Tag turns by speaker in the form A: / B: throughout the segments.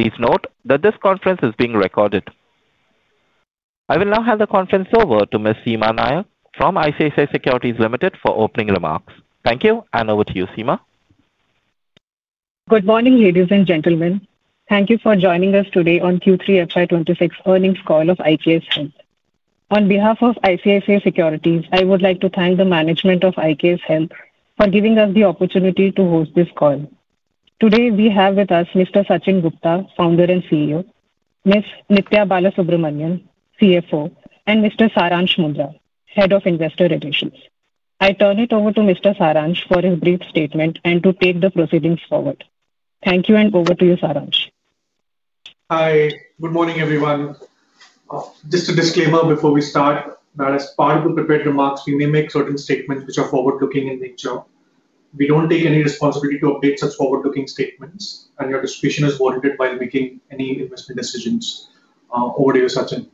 A: Please note that this conference is being recorded. I will now hand the conference over to Ms. Seema Nayak from ICICI Securities Limited for opening remarks. Thank you, and over to you, Seema.
B: Good morning, ladies and gentlemen. Thank you for joining us today on Q3 FY 2026 Earnings Call of IKS Health. On behalf of ICICI Securities, I would like to thank the management of IKS Health for giving us the opportunity to host this call. Today we have with us Mr. Sachin Gupta, Founder and CEO; Ms. Nithya Balasubramanian, CFO; and Mr. Saransh Mundra, Head of Investor Relations. I turn it over to Mr. Saransh for his brief statement and to take the proceedings forward. Thank you, and over to you, Saransh.
C: Hi. Good morning, everyone. Just a disclaimer before we start: as part of the prepared remarks, we may make certain statements which are forward-looking in nature. We don't take any responsibility to update such forward-looking statements, and your discretion is warranted while making any investment decisions. Over to you, Sachin.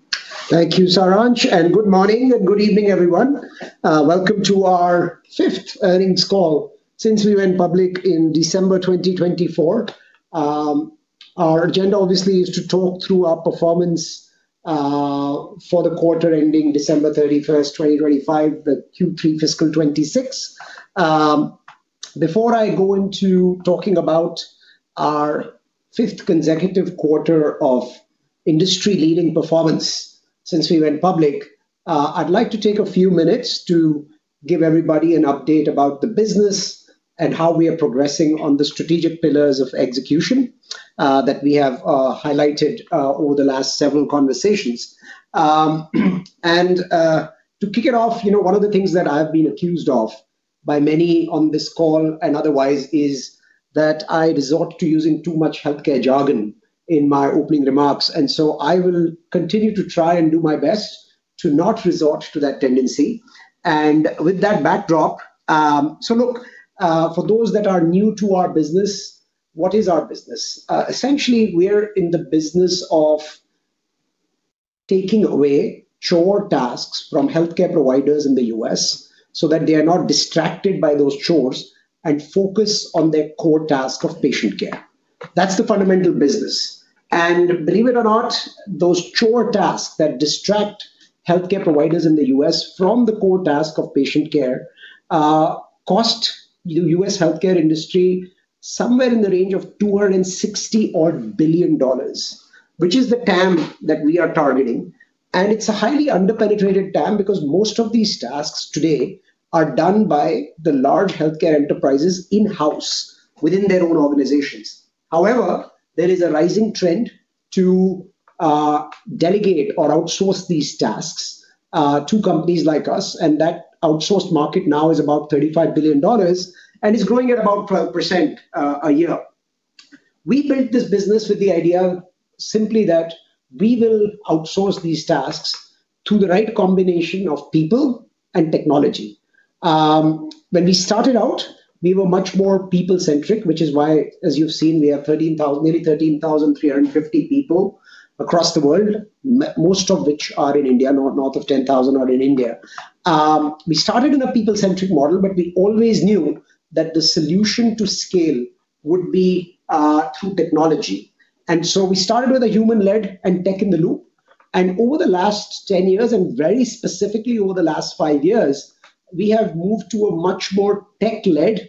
D: Thank you, Saransh, and good morning and good evening, everyone. Welcome to our fifth earnings call. Since we went public in December 2024, our agenda obviously is to talk through our performance for the quarter ending December 31st, 2025, the Q3 fiscal 2026. Before I go into talking about our fifth consecutive quarter of industry-leading performance since we went public, I'd like to take a few minutes to give everybody an update about the business and how we are progressing on the strategic pillars of execution that we have highlighted over the last several conversations. And to kick it off, one of the things that I've been accused of by many on this call and otherwise is that I resort to using too much healthcare jargon in my opening remarks. And so I will continue to try and do my best to not resort to that tendency. And with that backdrop so look, for those that are new to our business, what is our business? Essentially, we are in the business of taking away chore tasks from healthcare providers in the U.S. so that they are not distracted by those chores and focus on their core task of patient care. That's the fundamental business. And believe it or not, those chore tasks that distract healthcare providers in the U.S. from the core task of patient care cost the U.S. healthcare industry somewhere in the range of $260-odd billion, which is the TAM that we are targeting. And it's a highly underpenetrated TAM because most of these tasks today are done by the large healthcare enterprises in-house within their own organizations. However, there is a rising trend to delegate or outsource these tasks to companies like us. And that outsourced market now is about $35 billion and is growing at about 12% a year. We built this business with the idea simply that we will outsource these tasks to the right combination of people and technology. When we started out, we were much more people-centric, which is why, as you've seen, we have nearly 13,350 people across the world, most of which are in India, north of 10,000 are in India. We started in a people-centric model, but we always knew that the solution to scale would be through technology. And so we started with a human-led and tech-in-the-loop. Over the last 10 years, and very specifically over the last five years, we have moved to a much more tech-led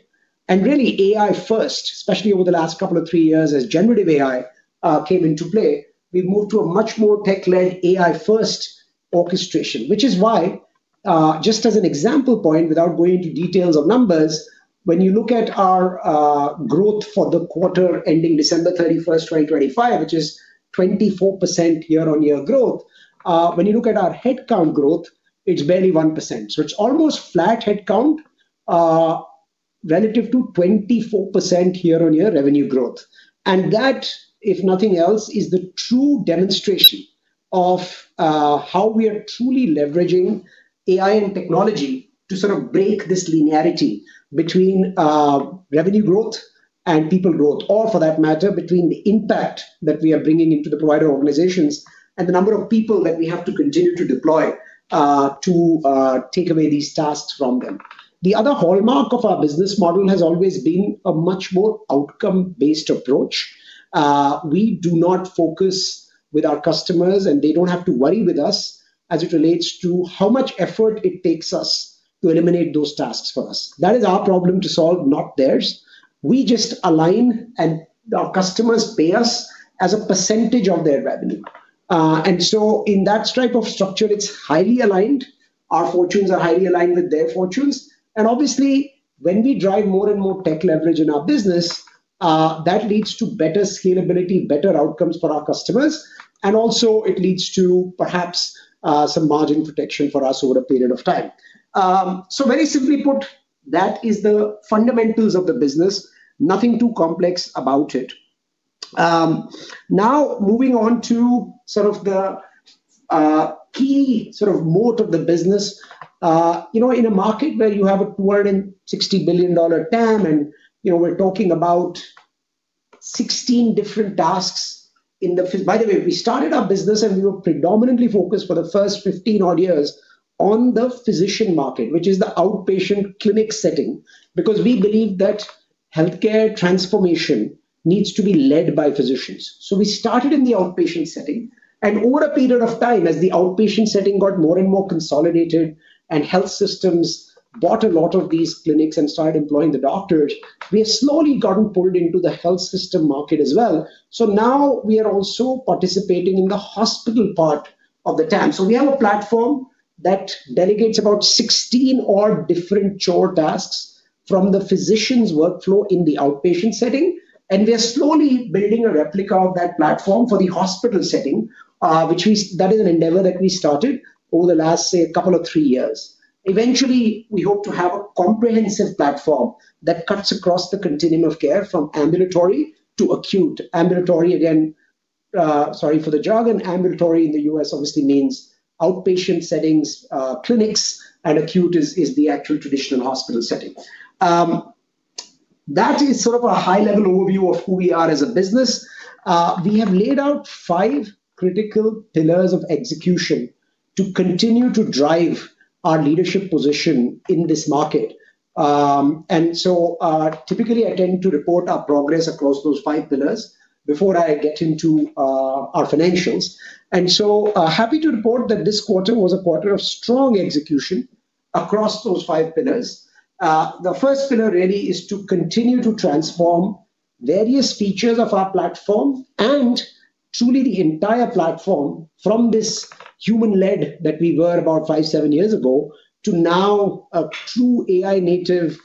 D: and really AI-first, especially over the last couple of three years as generative AI came into play, we've moved to a much more tech-led, AI-first orchestration, which is why, just as an example point, without going into details of numbers, when you look at our growth for the quarter ending December 31st, 2025, which is 24% year-on-year growth, when you look at our headcount growth, it's barely 1%. So it's almost flat headcount relative to 24% year-on-year revenue growth. That, if nothing else, is the true demonstration of how we are truly leveraging AI and technology to sort of break this linearity between revenue growth and people growth, or for that matter, between the impact that we are bringing into the provider organizations and the number of people that we have to continue to deploy to take away these tasks from them. The other hallmark of our business model has always been a much more outcome-based approach. We do not focus with our customers, and they don't have to worry with us as it relates to how much effort it takes us to eliminate those tasks for us. That is our problem to solve, not theirs. We just align, and our customers pay us as a percentage of their revenue. And so in that stripe of structure, it's highly aligned. Our fortunes are highly aligned with their fortunes. Obviously, when we drive more and more tech leverage in our business, that leads to better scalability, better outcomes for our customers. Also, it leads to perhaps some margin protection for us over a period of time. Very simply put, that is the fundamentals of the business, nothing too complex about it. Now, moving on to sort of the key sort of moat of the business, in a market where you have a $260 billion TAM, and we're talking about 16 different tasks. In the by the way, we started our business, and we were predominantly focused for the first 15-odd years on the physician market, which is the outpatient clinic setting, because we believe that healthcare transformation needs to be led by physicians. We started in the outpatient setting. Over a period of time, as the outpatient setting got more and more consolidated and health systems bought a lot of these clinics and started employing the doctors, we have slowly gotten pulled into the health system market as well. Now we are also participating in the hospital part of the TAM. We have a platform that delegates about 16-odd different chore tasks from the physician's workflow in the outpatient setting. And we are slowly building a replica of that platform for the hospital setting, which is an endeavor that we started over the last, say, a couple of three years. Eventually, we hope to have a comprehensive platform that cuts across the continuum of care from ambulatory to acute. Ambulatory, again, sorry for the jargon. Ambulatory in the U.S. obviously means outpatient settings, clinics, and acute is the actual traditional hospital setting. That is sort of a high-level overview of who we are as a business. We have laid out five critical pillars of execution to continue to drive our leadership position in this market. Typically, I tend to report our progress across those five pillars before I get into our financials. Happy to report that this quarter was a quarter of strong execution across those five pillars. The first pillar really is to continue to transform various features of our platform and truly the entire platform from this human-led that we were about five to seven years ago to now a true AI-native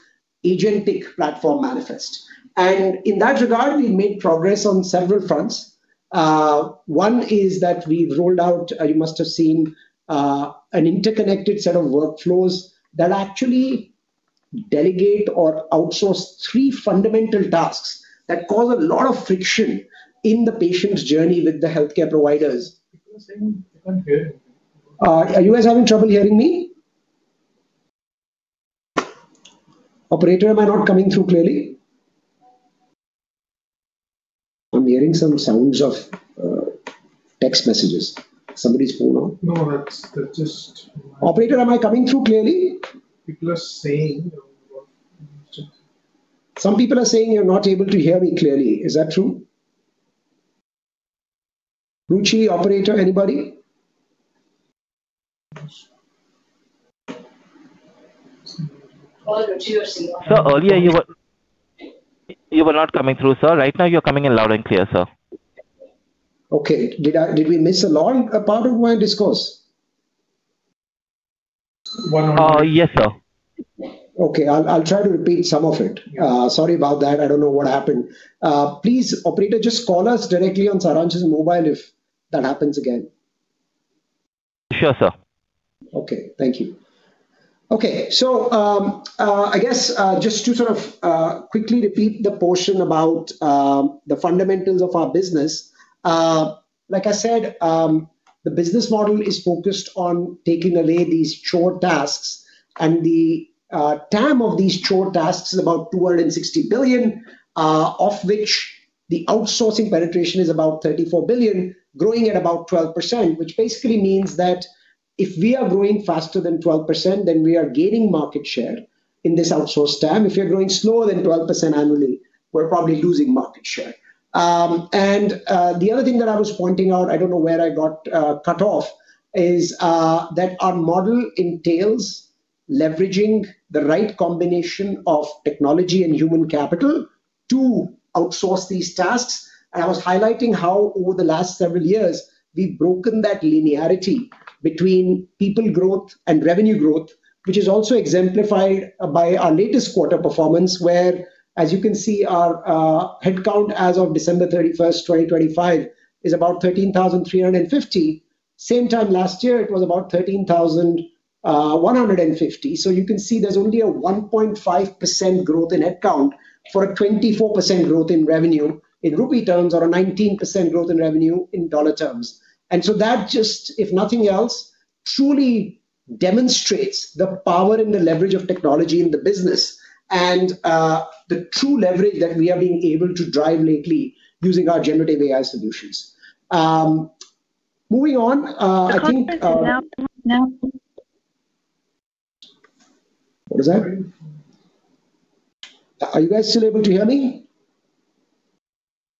D: agentic platform manifest. And in that regard, we've made progress on several fronts. One is that we've rolled out, you must have seen, an interconnected set of workflows that actually delegate or outsource three fundamental tasks that cause a lot of friction in the patient's journey with the healthcare providers. Are you guys having trouble hearing me? Operator, am I not coming through clearly? I'm hearing some sounds of text messages. Somebody's phone off? Operator, am I coming through clearly? Some people are saying you're not able to hear me clearly. Is that true? Ruchi, operator, anybody?
A: Sir, earlier you were not coming through, sir. Right now, you're coming in loud and clear, sir.
D: Okay. Did we miss a large part of my discourse?
A: Yes, sir.
D: Okay. I'll try to repeat some of it. Sorry about that. I don't know what happened. Please, operator, just call us directly on Saransh's mobile if that happens again.
A: Sure, sir.
D: Okay. Thank you. Okay. So I guess just to sort of quickly repeat the portion about the fundamentals of our business. Like I said, the business model is focused on taking away these chore tasks. And the TAM of these chore tasks is about $260 billion, of which the outsourcing penetration is about $34 billion, growing at about 12%, which basically means that if we are growing faster than 12%, then we are gaining market share in this outsourced TAM. If we are growing slower than 12% annually, we're probably losing market share. And the other thing that I was pointing out, I don't know where I got cut off, is that our model entails leveraging the right combination of technology and human capital to outsource these tasks. And I was highlighting how over the last several years, we've broken that linearity between people growth and revenue growth, which is also exemplified by our latest quarter performance where, as you can see, our headcount as of December 31st, 2025, is about 13,350. Same time last year, it was about 13,150. So you can see there's only a 1.5% growth in headcount for a 24% growth in revenue in rupee terms or a 19% growth in revenue in dollar terms. And so that just, if nothing else, truly demonstrates the power and the leverage of technology in the business and the true leverage that we are being able to drive lately using our generative AI solutions. Moving on, I think. What is that? Are you guys still able to hear me?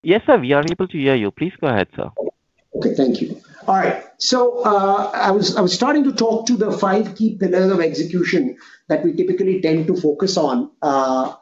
A: Yes, sir. We are able to hear you. Please go ahead, sir.
D: Okay. Thank you. All right. So I was starting to talk to the five key pillars of execution that we typically tend to focus on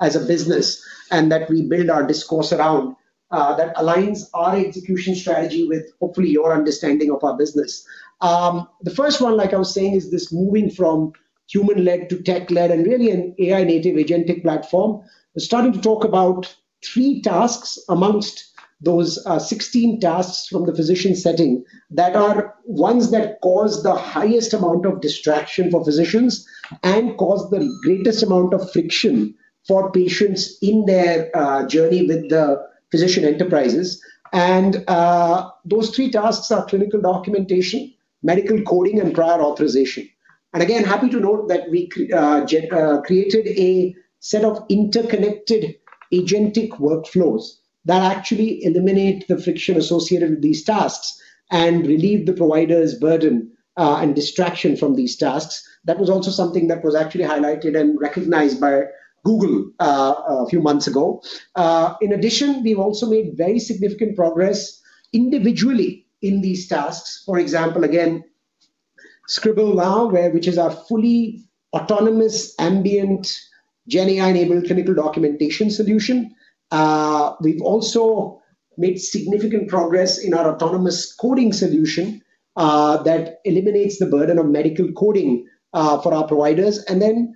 D: as a business and that we build our discourse around that aligns our execution strategy with hopefully your understanding of our business. The first one, like I was saying, is this moving from human-led to tech-led and really an AI-native agentic platform. We're starting to talk about three tasks amongst those 16 tasks from the physician setting that are ones that cause the highest amount of distraction for physicians and cause the greatest amount of friction for patients in their journey with the physician enterprises. Those three tasks are clinical documentation, medical coding, and prior authorization. And again, happy to note that we created a set of interconnected agentic workflows that actually eliminate the friction associated with these tasks and relieve the provider's burden and distraction from these tasks. That was also something that was actually highlighted and recognized by Google a few months ago. In addition, we've also made very significant progress individually in these tasks. For example, again, Scribble Now, which is our fully autonomous ambient GenAI-enabled clinical documentation solution. We've also made significant progress in our autonomous coding solution that eliminates the burden of medical coding for our providers. And then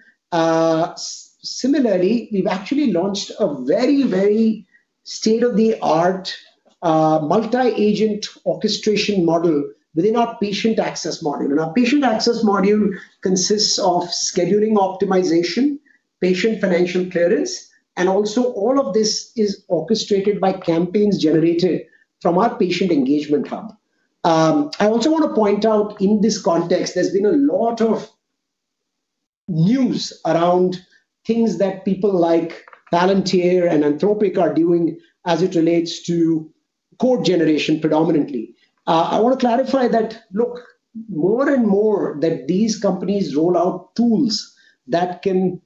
D: similarly, we've actually launched a very, very state-of-the-art multi-agent orchestration model within our patient access module. And our patient access module consists of scheduling optimization, patient financial clearance, and also all of this is orchestrated by campaigns generated from our patient engagement hub. I also want to point out in this context, there's been a lot of news around things that people like Palantir and Anthropic are doing as it relates to code generation predominantly. I want to clarify that, look, more and more that these companies roll out tools that can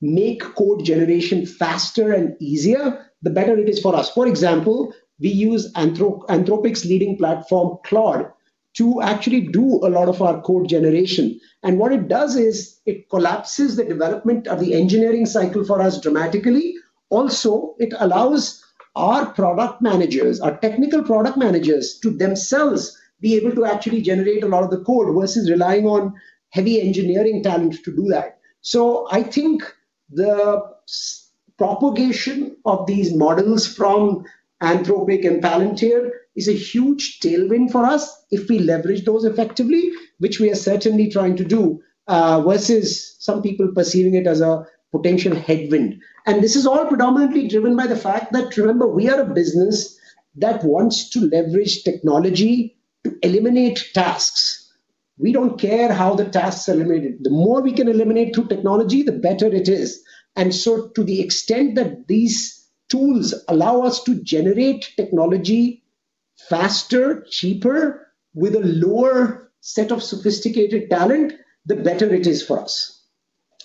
D: make code generation faster and easier, the better it is for us. For example, we use Anthropic's leading platform, Claude, to actually do a lot of our code generation. And what it does is it collapses the development of the engineering cycle for us dramatically. Also, it allows our product managers, our technical product managers, to themselves be able to actually generate a lot of the code versus relying on heavy engineering talent to do that. So I think the propagation of these models from Anthropic and Palantir is a huge tailwind for us if we leverage those effectively, which we are certainly trying to do versus some people perceiving it as a potential headwind. And this is all predominantly driven by the fact that, remember, we are a business that wants to leverage technology to eliminate tasks. We don't care how the tasks are eliminated. The more we can eliminate through technology, the better it is. And so to the extent that these tools allow us to generate technology faster, cheaper, with a lower set of sophisticated talent, the better it is for us.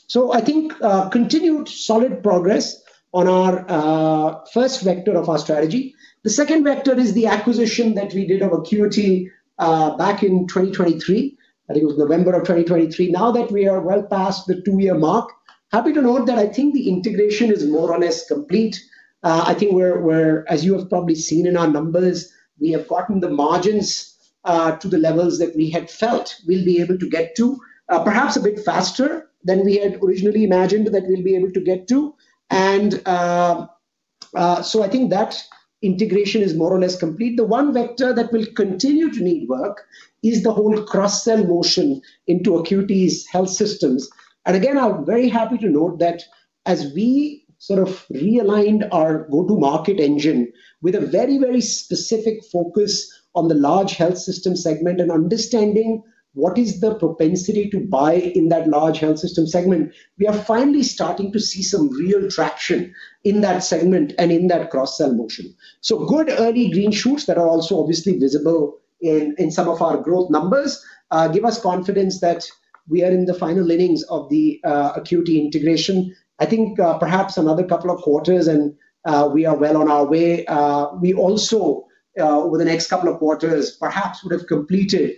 D: So I think continued solid progress on our first vector of our strategy. The second vector is the acquisition that we did of AQuity back in 2023. I think it was November of 2023. Now that we are well past the two-year mark, happy to note that I think the integration is more or less complete. I think we're, as you have probably seen in our numbers, we have gotten the margins to the levels that we had felt we'll be able to get to, perhaps a bit faster than we had originally imagined that we'll be able to get to. And so I think that integration is more or less complete. The one vector that will continue to need work is the whole cross-sell motion into AQuity's health systems. And again, I'm very happy to note that as we sort of realigned our go-to-market engine with a very, very specific focus on the large health system segment and understanding what is the propensity to buy in that large health system segment, we are finally starting to see some real traction in that segment and in that cross-sell motion. So good early green shoots that are also obviously visible in some of our growth numbers give us confidence that we are in the final innings of the AQuity integration. I think perhaps another couple of quarters, and we are well on our way. We also, over the next couple of quarters, perhaps would have completed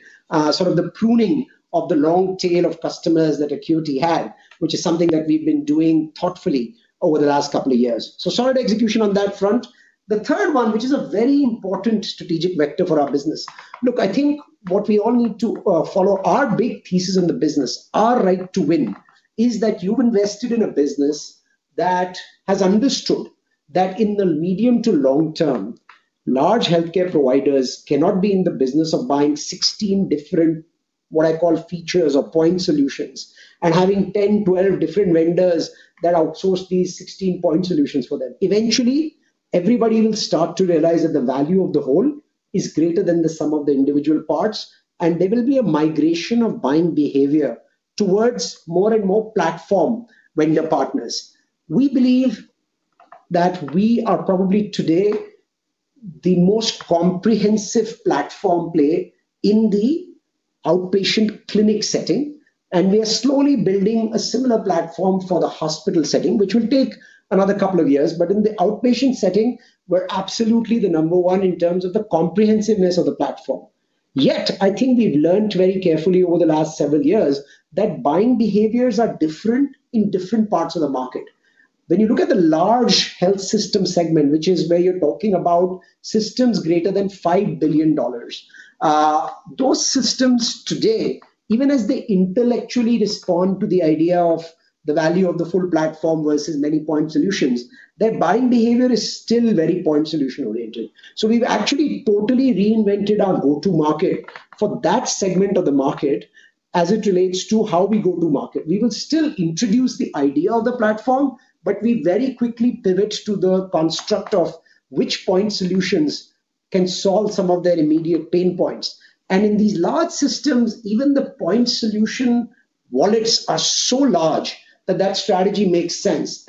D: sort of the pruning of the long tail of customers that AQuity had, which is something that we've been doing thoughtfully over the last couple of years. So solid execution on that front. The third one, which is a very important strategic vector for our business look, I think what we all need to follow, our big thesis in the business, our right to win, is that you've invested in a business that has understood that in the medium to long term, large healthcare providers cannot be in the business of buying 16 different what I call features or point solutions and having 10, 12 different vendors that outsource these 16 point solutions for them. Eventually, everybody will start to realize that the value of the whole is greater than the sum of the individual parts. There will be a migration of buying behavior towards more and more platform vendor partners. We believe that we are probably today the most comprehensive platform player in the outpatient clinic setting. We are slowly building a similar platform for the hospital setting, which will take another couple of years. But in the outpatient setting, we're absolutely the number one in terms of the comprehensiveness of the platform. Yet, I think we've learned very carefully over the last several years that buying behaviors are different in different parts of the market. When you look at the large health system segment, which is where you're talking about systems greater than $5 billion, those systems today, even as they intellectually respond to the idea of the value of the full platform versus many point solutions, their buying behavior is still very point solution-oriented. So we've actually totally reinvented our go-to-market for that segment of the market as it relates to how we go to market. We will still introduce the idea of the platform, but we very quickly pivot to the construct of which point solutions can solve some of their immediate pain points. In these large systems, even the point solution wallets are so large that that strategy makes sense.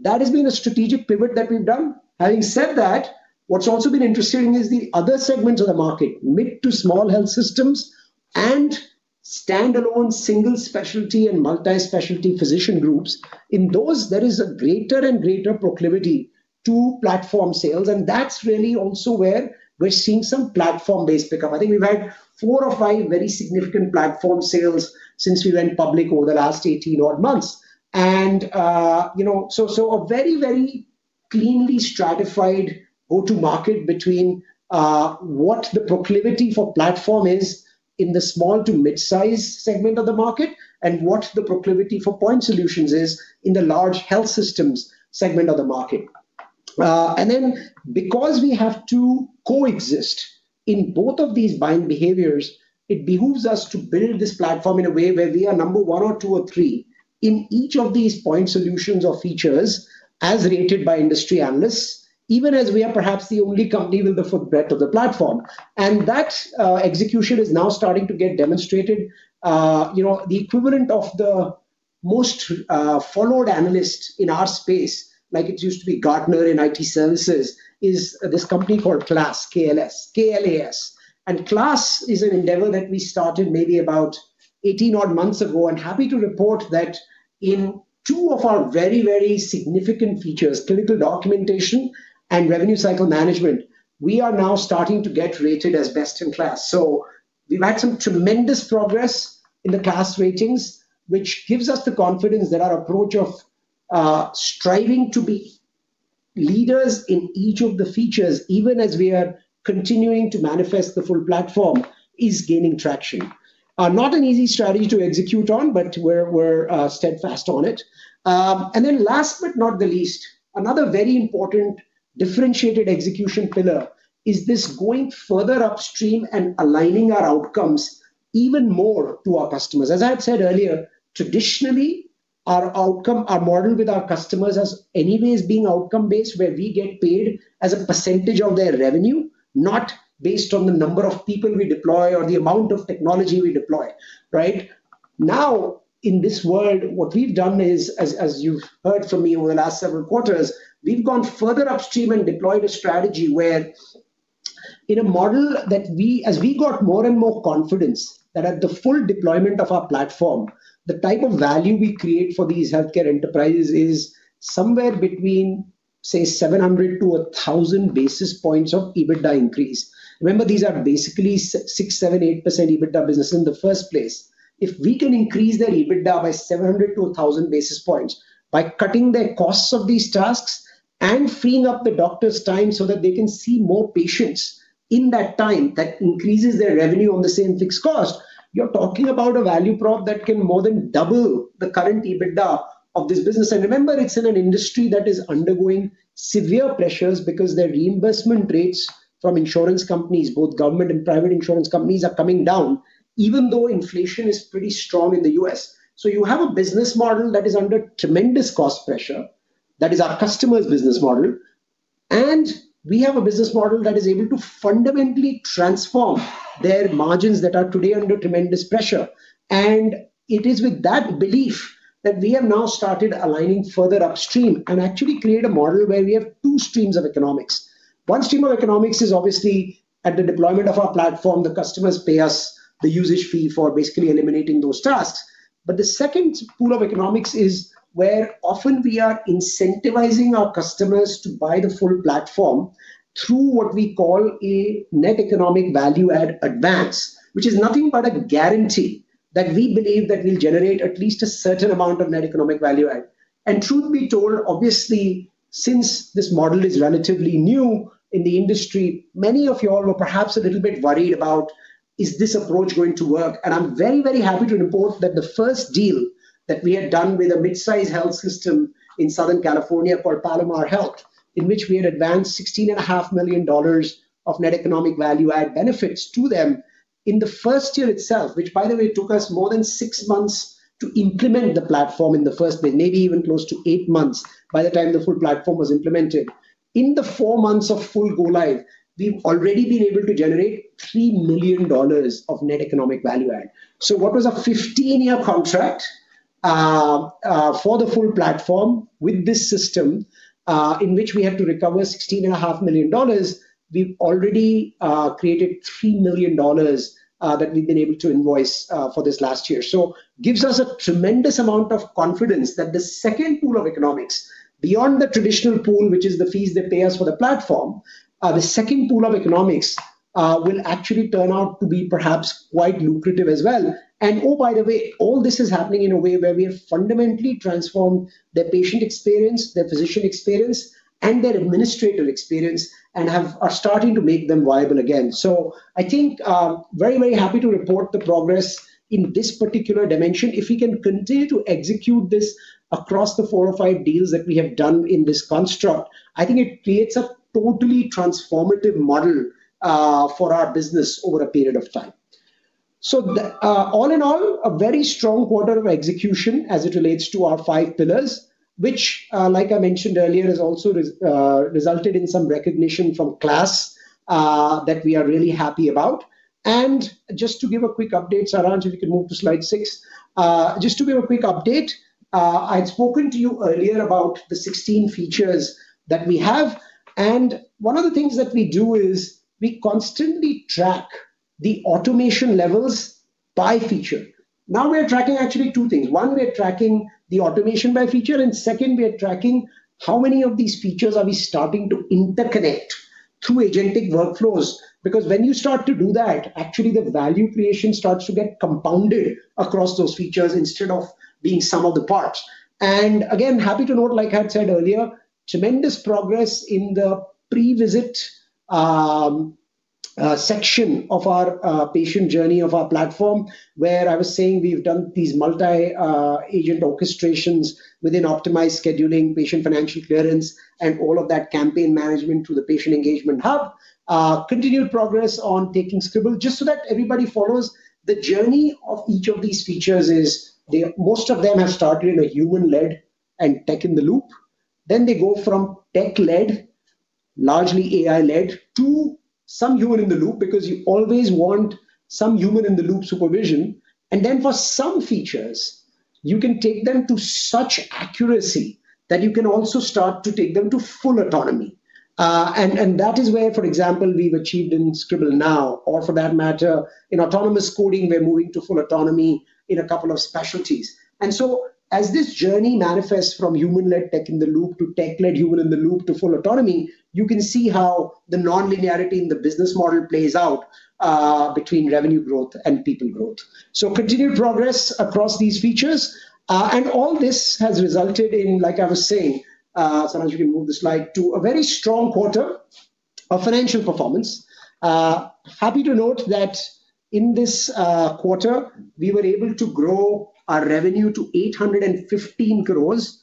D: That has been a strategic pivot that we've done. Having said that, what's also been interesting is the other segments of the market, mid to small health systems and standalone single specialty and multi-specialty physician groups. In those, there is a greater and greater proclivity to platform sales. That's really also where we're seeing some platform-based pickup. I think we've had four or five very significant platform sales since we went public over the last 18-odd months. And so a very, very cleanly stratified go-to-market between what the proclivity for platform is in the small to mid-size segment of the market and what the proclivity for point solutions is in the large health systems segment of the market. And then because we have to coexist in both of these buying behaviors, it behooves us to build this platform in a way where we are number one or two or three in each of these point solutions or features as rated by industry analysts, even as we are perhaps the only company with the footprint of the platform. And that execution is now starting to get demonstrated. The equivalent of the most followed analyst in our space, like it used to be Gartner in IT services, is this company called KLAS. And KLAS is an endeavor that we started maybe about 18-odd months ago. Happy to report that in two of our very, very significant features, clinical documentation and revenue cycle management, we are now starting to get rated as best in KLAS. So we've had some tremendous progress in the KLAS ratings, which gives us the confidence that our approach of striving to be leaders in each of the features, even as we are continuing to manifest the full platform, is gaining traction. Not an easy strategy to execute on, but we're steadfast on it. Then last but not the least, another very important differentiated execution pillar is this going further upstream and aligning our outcomes even more to our customers. As I had said earlier, traditionally, our outcome, our model with our customers has anyways been outcome-based where we get paid as a percentage of their revenue, not based on the number of people we deploy or the amount of technology we deploy. Right? Now, in this world, what we've done is, as you've heard from me over the last several quarters, we've gone further upstream and deployed a strategy where in a model that we, as we got more and more confidence that at the full deployment of our platform, the type of value we create for these healthcare enterprises is somewhere between, say, 700-1,000 basis points of EBITDA increase. Remember, these are basically 6%, 7%, 8% EBITDA business in the first place. If we can increase their EBITDA by 700-1,000 basis points by cutting their costs of these tasks and freeing up the doctor's time so that they can see more patients in that time that increases their revenue on the same fixed cost, you're talking about a value prop that can more than double the current EBITDA of this business. And remember, it's in an industry that is undergoing severe pressures because their reimbursement rates from insurance companies, both government and private insurance companies, are coming down, even though inflation is pretty strong in the U.S. So you have a business model that is under tremendous cost pressure. That is our customer's business model. And we have a business model that is able to fundamentally transform their margins that are today under tremendous pressure. It is with that belief that we have now started aligning further upstream and actually create a model where we have two streams of economics. One stream of economics is obviously at the deployment of our platform. The customers pay us the usage fee for basically eliminating those tasks. But the second pool of economics is where often we are incentivizing our customers to buy the full platform through what we call a Net Economic Value Add advance, which is nothing but a guarantee that we believe that will generate at least a certain amount of Net Economic Value Add. And truth be told, obviously, since this model is relatively new in the industry, many of you all were perhaps a little bit worried about is this approach going to work? I'm very, very happy to report that the first deal that we had done with a mid-size health system in Southern California called Palomar Health, in which we had advanced $16.5 million of net economic value add benefits to them in the first year itself, which, by the way, took us more than six months to implement the platform in the first place, maybe even close to eight months by the time the full platform was implemented. In the four months of full go-live, we've already been able to generate $3 million of net economic value add. So what was a 15-year contract for the full platform with this system, in which we had to recover $16.5 million, we've already created $3 million that we've been able to invoice for this last year. So it gives us a tremendous amount of confidence that the second pool of economics, beyond the traditional pool, which is the fees they pay us for the platform, the second pool of economics will actually turn out to be perhaps quite lucrative as well. Oh, by the way, all this is happening in a way where we have fundamentally transformed their patient experience, their physician experience, and their administrator experience and are starting to make them viable again. So I think I'm very, very happy to report the progress in this particular dimension. If we can continue to execute this across the four or five deals that we have done in this construct, I think it creates a totally transformative model for our business over a period of time. So all in all, a very strong quarter of execution as it relates to our five pillars, which, like I mentioned earlier, has also resulted in some recognition from KLAS that we are really happy about. And just to give a quick update, Saransh, if you can move to slide six. Just to give a quick update, I had spoken to you earlier about the 16 features that we have. And one of the things that we do is we constantly track the automation levels by feature. Now we are tracking actually two things. One, we are tracking the automation by feature. And second, we are tracking how many of these features are we starting to interconnect through agentic workflows. Because when you start to do that, actually, the value creation starts to get compounded across those features instead of being some of the parts. And again, happy to note, like I had said earlier, tremendous progress in the pre-visit section of our patient journey of our platform, where I was saying we've done these multi-agent orchestrations within optimized scheduling, patient financial clearance, and all of that campaign management through the patient engagement hub. Continued progress on taking Scribble just so that everybody follows the journey of each of these features. Most of them have started in a human-led and tech-in-the-loop. Then they go from tech-led, largely AI-led, to some human-in-the-loop because you always want some human-in-the-loop supervision. And then for some features, you can take them to such accuracy that you can also start to take them to full autonomy. And that is where, for example, we've achieved in Scribble Now, or for that matter, in autonomous coding, we're moving to full autonomy in a couple of specialties. As this journey manifests from human-led, tech-in-the-loop to tech-led, human-in-the-loop to full autonomy, you can see how the non-linearity in the business model plays out between revenue growth and people growth. So continued progress across these features. And all this has resulted in, like I was saying Saransh, you can move the slide to a very strong quarter of financial performance. Happy to note that in this quarter, we were able to grow our revenue to 815 crores,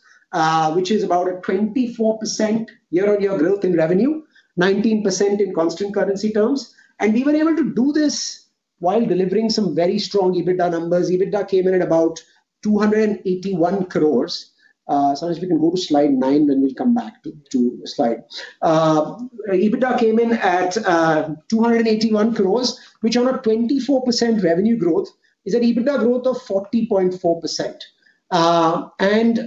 D: which is about a 24% year-on-year growth in revenue, 19% in constant currency terms. And we were able to do this while delivering some very strong EBITDA numbers. EBITDA came in at about 281 crores. Saransh, if you can go to slide nine, then we'll come back to the slide. EBITDA came in at 281 crores, which on a 24% revenue growth is an EBITDA growth of 40.4%.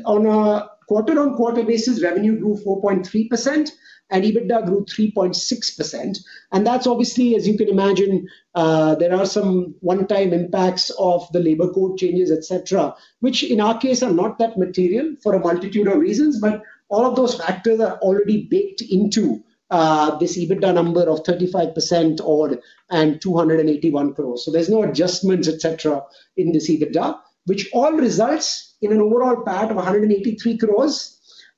D: On a quarter-on-quarter basis, revenue grew 4.3% and EBITDA grew 3.6%. That's obviously, as you can imagine, there are some one-time impacts of the labor code changes, et cetera, which in our case are not that material for a multitude of reasons. But all of those factors are already baked into this EBITDA number of 35% and 281 crore. So there's no adjustments, et cetera, in this EBITDA, which all results in an overall PAT of 183 crore,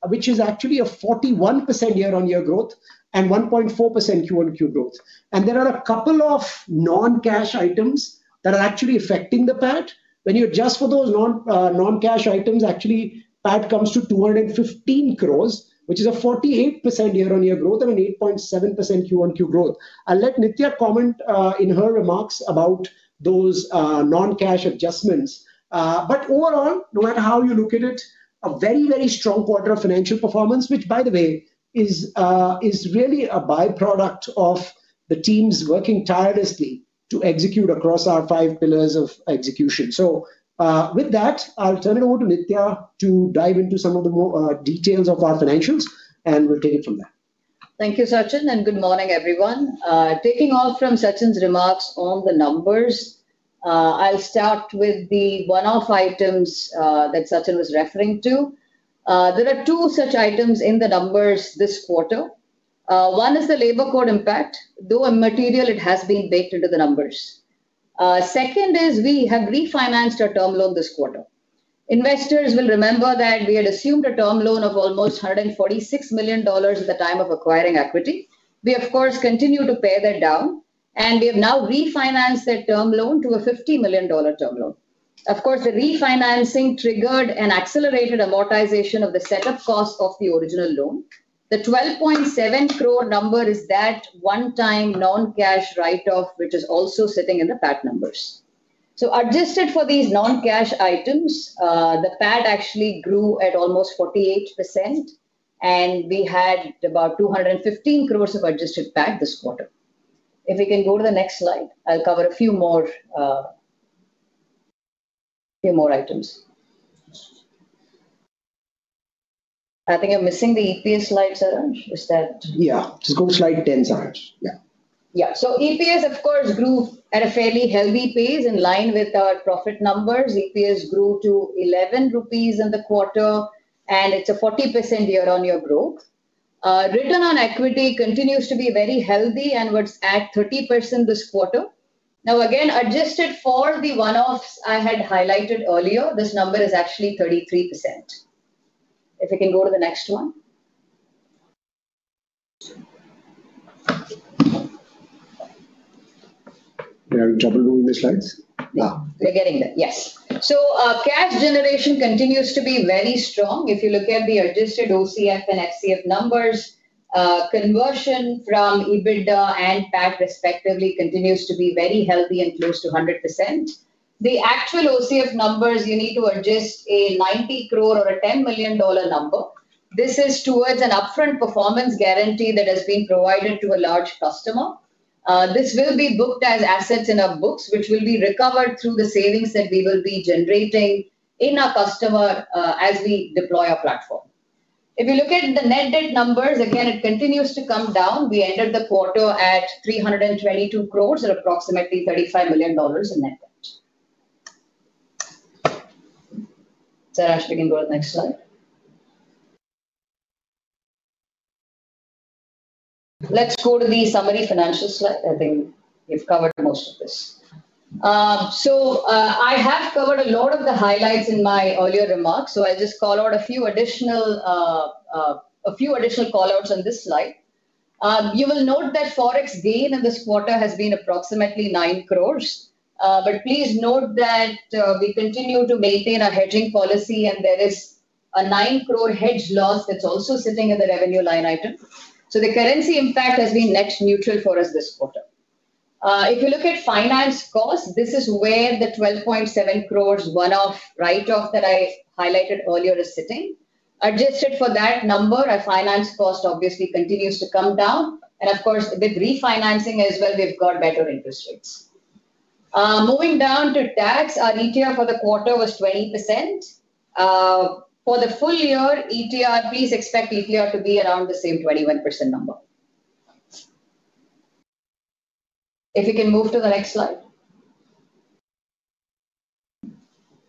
D: which is actually a 41% year-on-year growth and 1.4% Q1Q growth. And there are a couple of non-cash items that are actually affecting the PAT. When you adjust for those non-cash items, actually, PAT comes to 215 crore, which is a 48% year-on-year growth and an 8.7% Q1Q growth. I'll let Nithya comment in her remarks about those non-cash adjustments. But overall, no matter how you look at it, a very, very strong quarter of financial performance, which, by the way, is really a byproduct of the team's working tirelessly to execute across our five pillars of execution. So with that, I'll turn it over to Nithya to dive into some of the more details of our financials, and we'll take it from there.
E: Thank you, Sachin. Good morning, everyone. Taking off from Sachin's remarks on the numbers, I'll start with the one-off items that Sachin was referring to. There are two such items in the numbers this quarter. One is the labor code impact, though immaterial. It has been baked into the numbers. Second, we have refinanced our term loan this quarter. Investors will remember that we had assumed a term loan of almost $146 million at the time of acquiring AQuity. We, of course, continue to pay that down. We have now refinanced their term loan to a $50 million term loan. Of course, the refinancing triggered and accelerated amortization of the setup cost of the original loan. The 12.7 crore number is that one-time non-cash write-off, which is also sitting in the PAT numbers. Adjusted for these non-cash items, the PAT actually grew at almost 48%. We had about 215 crore of adjusted PAT this quarter. If we can go to the next slide, I'll cover a few more items. I think I'm missing the EPS slide, Saransh. Is that?
D: Yeah. Just go to slide 10, Saransh. Yeah.
E: Yeah. So EPS, of course, grew at a fairly healthy pace in line with our profit numbers. EPS grew to 11 rupees in the quarter. It's a 40% year-on-year growth. Return on equity continues to be very healthy and was at 30% this quarter. Now again, adjusted for the one-offs I had highlighted earlier, this number is actually 33%. If we can go to the next one.
D: We are in trouble moving the slides?
E: Yeah. We're getting there. Yes. So cash generation continues to be very strong. If you look at the adjusted OCF and FCF numbers, conversion from EBITDA and PAT respectively continues to be very healthy and close to 100%. The actual OCF numbers, you need to adjust an 90 crore or $10 million number. This is towards an upfront performance guarantee that has been provided to a large customer. This will be booked as assets in our books, which will be recovered through the savings that we will be generating in our customer as we deploy our platform. If you look at the net debt numbers, again, it continues to come down. We ended the quarter at 322 crore or approximately $35 million in net debt. Saransh, if you can go to the next slide. Let's go to the summary financial slide. I think we've covered most of this. I have covered a lot of the highlights in my earlier remarks. I'll just call out a few additional callouts on this slide. You will note that forex gain in this quarter has been approximately 9 crore. But please note that we continue to maintain our hedging policy. And there is a 9 crore hedge loss that's also sitting in the revenue line item. So the currency impact has been net neutral for us this quarter. If you look at finance cost, this is where the 12.7 crore one-off write-off that I highlighted earlier is sitting. Adjusted for that number, our finance cost obviously continues to come down. And of course, with refinancing as well, we've got better interest rates. Moving down to tax, our ETR for the quarter was 20%. For the full year, please expect ETR to be around the same 21% number. If we can move to the next slide.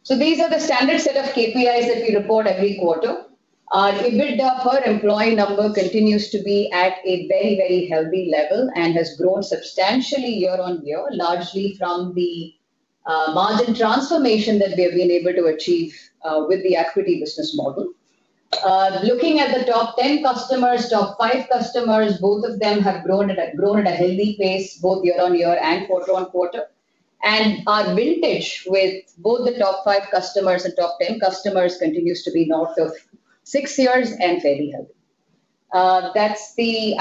E: So these are the standard set of KPIs that we report every quarter. Our EBITDA per employee number continues to be at a very, very healthy level and has grown substantially year-on-year, largely from the margin transformation that we have been able to achieve with the equity business model. Looking at the top 10 customers, top five customers, both of them have grown at a healthy pace, both year-on-year and quarter-on-quarter. And our vintage with both the top five customers and top 10 customers continues to be north of six years and fairly healthy.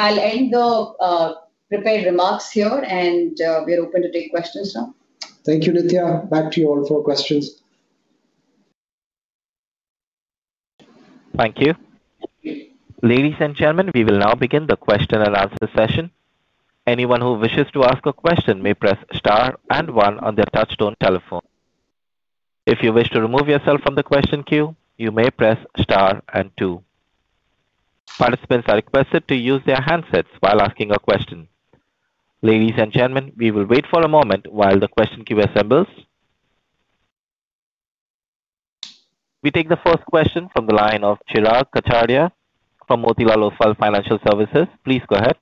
E: I'll end the prepared remarks here. And we are open to take questions now.
D: Thank you, Nithya. Back to you all for questions.
A: Thank you. Ladies and gentlemen, we will now begin the question and answer session. Anyone who wishes to ask a question may press star and one on their touch-tone telephone. If you wish to remove yourself from the question queue, you may press star and two. Participants are requested to use their handsets while asking a question. Ladies and gentlemen, we will wait for a moment while the question queue assembles. We take the first question from the line of Chirag Kachhadiya from Motilal Oswal Financial Services. Please go ahead.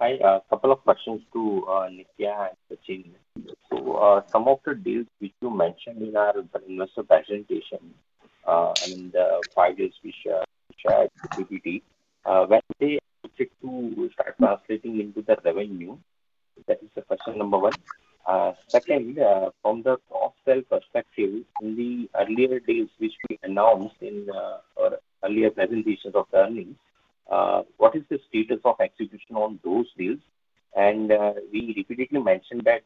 F: Hi. A couple of questions to Nithya and Sachin. So some of the deals which you mentioned in our investor presentation and in the five deals we shared with PPT, when they stick to start translating into the revenue, that is the question number one. Second, from the cost sale perspective, in the earlier deals which we announced in our earlier presentations of the earnings, what is the status of execution on those deals? And we repeatedly mentioned that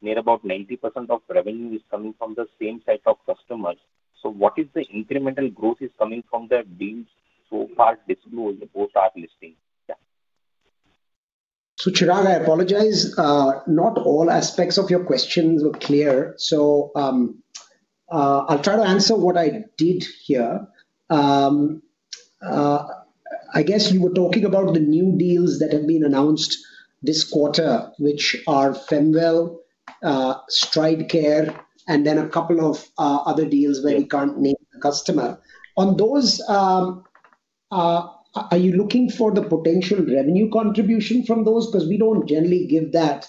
F: near about 90% of revenue is coming from the same set of customers. So what is the incremental growth is coming from the deals so far disclosed post our listing? Yeah.
D: So Chirag, I apologize. Not all aspects of your questions were clear. So I'll try to answer what I did here. I guess you were talking about the new deals that have been announced this quarter, which are Femwell, StrideCare, and then a couple of other deals where we can't name the customer. Are you looking for the potential revenue contribution from those? Because we don't generally give that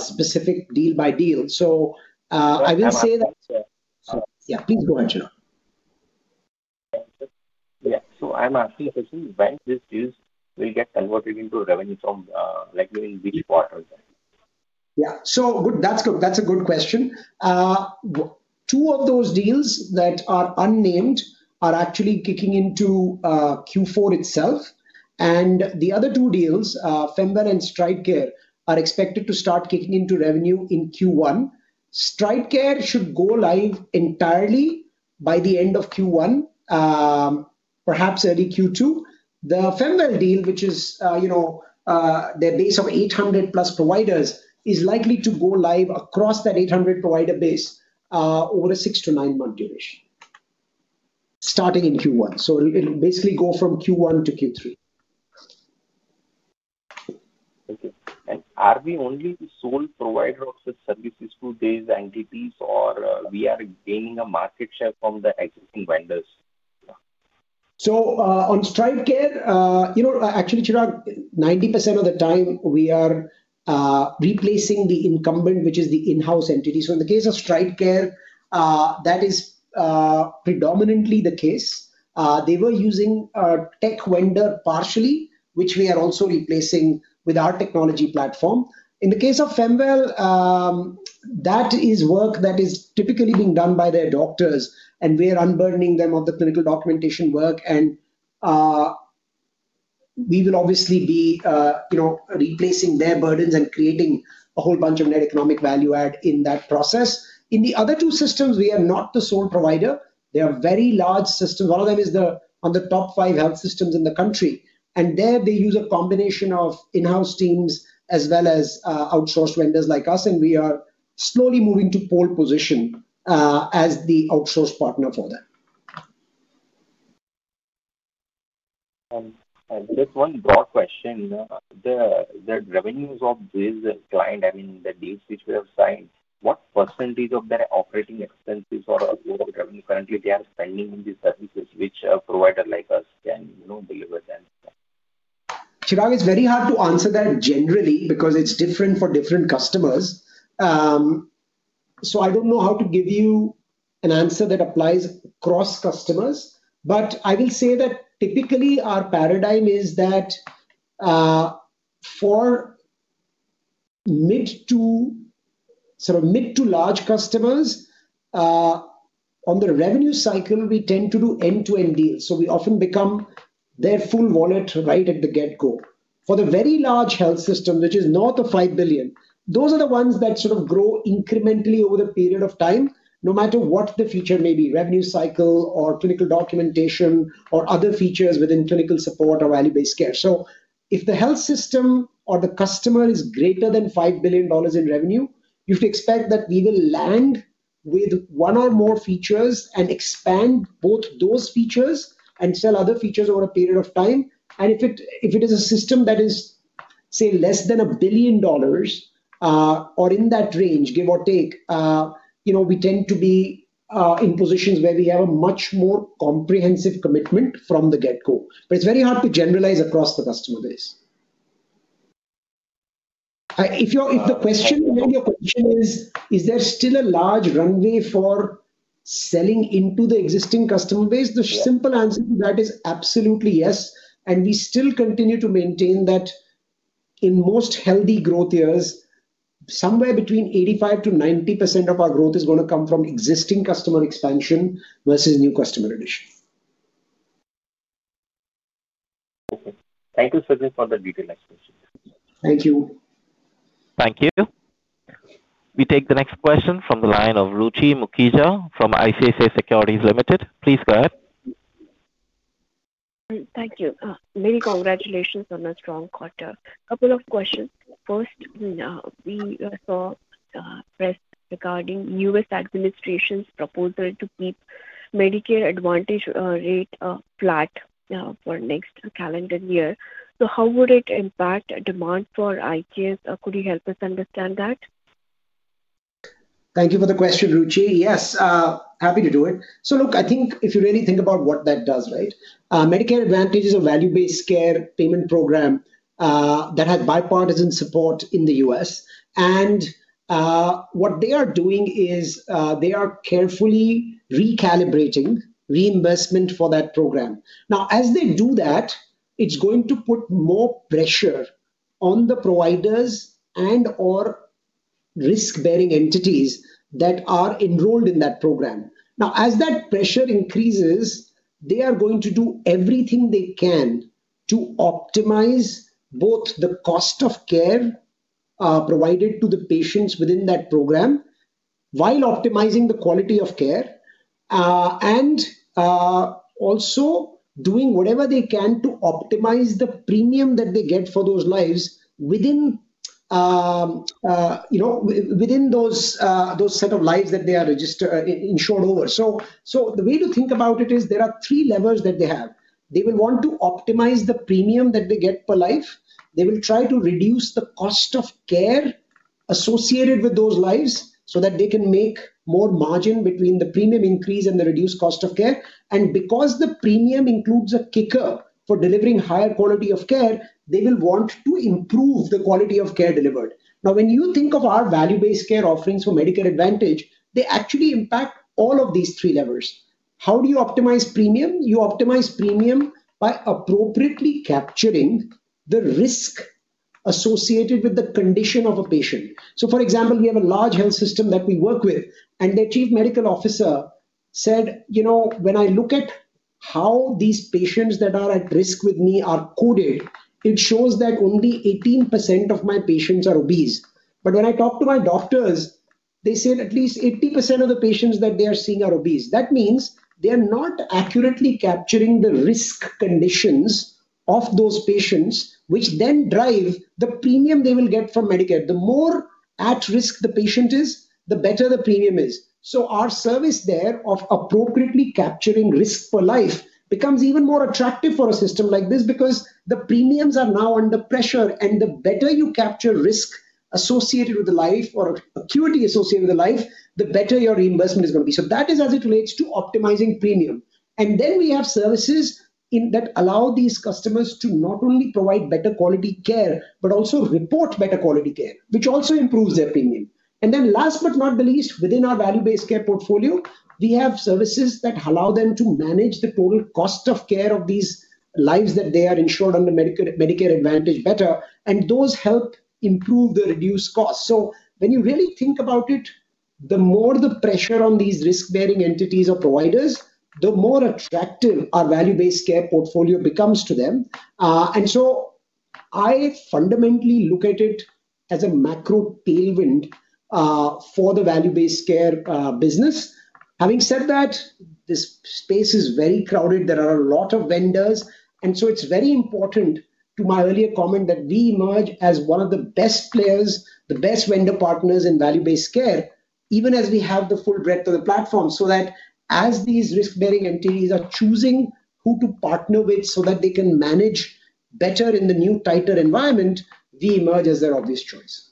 D: specific deal by deal. So I will say that.
F: I'm asking.
D: Yeah. Please go ahead, Chirag.
F: Yeah. So I'm asking if when these deals will get converted into revenue from which quarters?
D: Yeah. So that's a good question. Two of those deals that are unnamed are actually kicking into Q4 itself. And the other two deals, Femwell and StrideCare, are expected to start kicking into revenue in Q1. StrideCare should go live entirely by the end of Q1, perhaps early Q2. The Femwell deal, which is their base of 800+ providers, is likely to go live across that 800 provider base over a six to nine month duration, starting in Q1. So it'll basically go from Q1 to Q3.
F: Thank you. Are we only the sole provider of the services to these entities, or we are gaining a market share from the existing vendors?
D: So on StrideCare, actually, Chirag, 90% of the time, we are replacing the incumbent, which is the in-house entity. So in the case of StrideCare, that is predominantly the case. They were using a tech vendor partially, which we are also replacing with our technology platform. In the case of Femwell, that is work that is typically being done by their doctors. And we are unburdening them of the clinical documentation work. And we will obviously be replacing their burdens and creating a whole bunch of net economic value add in that process. In the other two systems, we are not the sole provider. They are very large systems. One of them is one of the top five health systems in the country. And there, they use a combination of in-house teams as well as outsourced vendors like us. We are slowly moving to pole position as the outsourced partner for them.
F: Just one more question. The revenues of this client, I mean, the deals which we have signed, what percentage of their operating expenses or overall revenue currently they are spending in these services, which provider like us can deliver them?
D: Chirag, it's very hard to answer that generally because it's different for different customers. So I don't know how to give you an answer that applies across customers. But I will say that typically, our paradigm is that for sort of mid to large customers, on the revenue cycle, we tend to do end-to-end deals. So we often become their full wallet right at the get-go. For the very large health system, which is north of $5 billion, those are the ones that sort of grow incrementally over the period of time, no matter what the future may be, revenue cycle or clinical documentation or other features within clinical support or value-based care. So if the health system or the customer is greater than $5 billion in revenue, you should expect that we will land with one or more features and expand both those features and sell other features over a period of time. If it is a system that is, say, less than $1 billion or in that range, give or take, we tend to be in positions where we have a much more comprehensive commitment from the get-go. But it's very hard to generalize across the customer base. If the question is, is there still a large runway for selling into the existing customer base? The simple answer to that is absolutely yes. And we still continue to maintain that in most healthy growth years, somewhere between 85%-90% of our growth is going to come from existing customer expansion versus new customer addition.
F: Thank you, Sachin, for the detailed explanation.
D: Thank you.
A: Thank you. We take the next question from the line of Ruchi Mukhija from ICICI Securities. Please go ahead.
G: Thank you. Many congratulations on a strong quarter. A couple of questions. First, we saw press regarding U.S. administration's proposal to keep Medicare Advantage rate flat for next calendar year. So how would it impact demand for IKS? Could you help us understand that?
D: Thank you for the question, Ruchi. Yes. Happy to do it. So look, I think if you really think about what that does, right, Medicare Advantage is a value-based care payment program that has bipartisan support in the U.S. And what they are doing is they are carefully recalibrating reinvestment for that program. Now, as they do that, it's going to put more pressure on the providers and/or risk-bearing entities that are enrolled in that program. Now, as that pressure increases, they are going to do everything they can to optimize both the cost of care provided to the patients within that program while optimizing the quality of care and also doing whatever they can to optimize the premium that they get for those lives within those set of lives that they are insured over. So the way to think about it is there are three levers that they have. They will want to optimize the premium that they get per life. They will try to reduce the cost of care associated with those lives so that they can make more margin between the premium increase and the reduced cost of care. And because the premium includes a kicker for delivering higher quality of care, they will want to improve the quality of care delivered. Now, when you think of our value-based care offerings for Medicare Advantage, they actually impact all of these three levers. How do you optimize premium? You optimize premium by appropriately capturing the risk associated with the condition of a patient. So for example, we have a large health system that we work with. And the Chief Medical Officer said, "When I look at how these patients that are at risk with me are coded, it shows that only 18% of my patients are obese. But when I talk to my doctors, they said at least 80% of the patients that they are seeing are obese. That means they are not accurately capturing the risk conditions of those patients, which then drive the premium they will get from Medicare. The more at risk the patient is, the better the premium is. So our service there of appropriately capturing risk per life becomes even more attractive for a system like this because the premiums are now under pressure. And the better you capture risk associated with the life or acuity associated with the life, the better your reinvestment is going to be. So that is as it relates to optimizing premium. And then we have services that allow these customers to not only provide better quality care but also report better quality care, which also improves their premium. And then last but not the least, within our value-based care portfolio, we have services that allow them to manage the total cost of care of these lives that they are insured under Medicare Advantage better. And those help improve the reduced cost. So when you really think about it, the more the pressure on these risk-bearing entities or providers, the more attractive our value-based care portfolio becomes to them. And so I fundamentally look at it as a macro tailwind for the value-based care business. Having said that, this space is very crowded. There are a lot of vendors. And so it's very important to my earlier comment that we emerge as one of the best players, the best vendor partners in value-based care, even as we have the full breadth of the platform so that as these risk-bearing entities are choosing who to partner with so that they can manage better in the new tighter environment, we emerge as their obvious choice.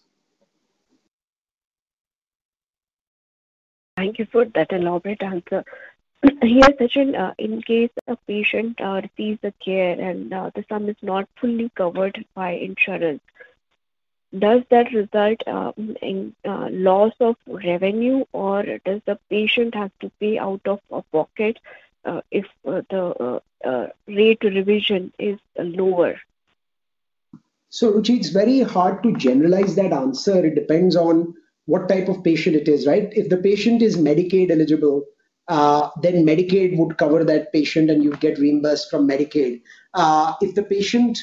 G: Thank you for that elaborate answer. Here, Sachin, in case a patient receives the care and the sum is not fully covered by insurance, does that result in loss of revenue, or does the patient have to pay out of pocket if the rate to revision is lower?
D: So Ruchi, it's very hard to generalize that answer. It depends on what type of patient it is, right? If the patient is Medicaid eligible, then Medicaid would cover that patient, and you'd get reimbursed from Medicaid. If the patient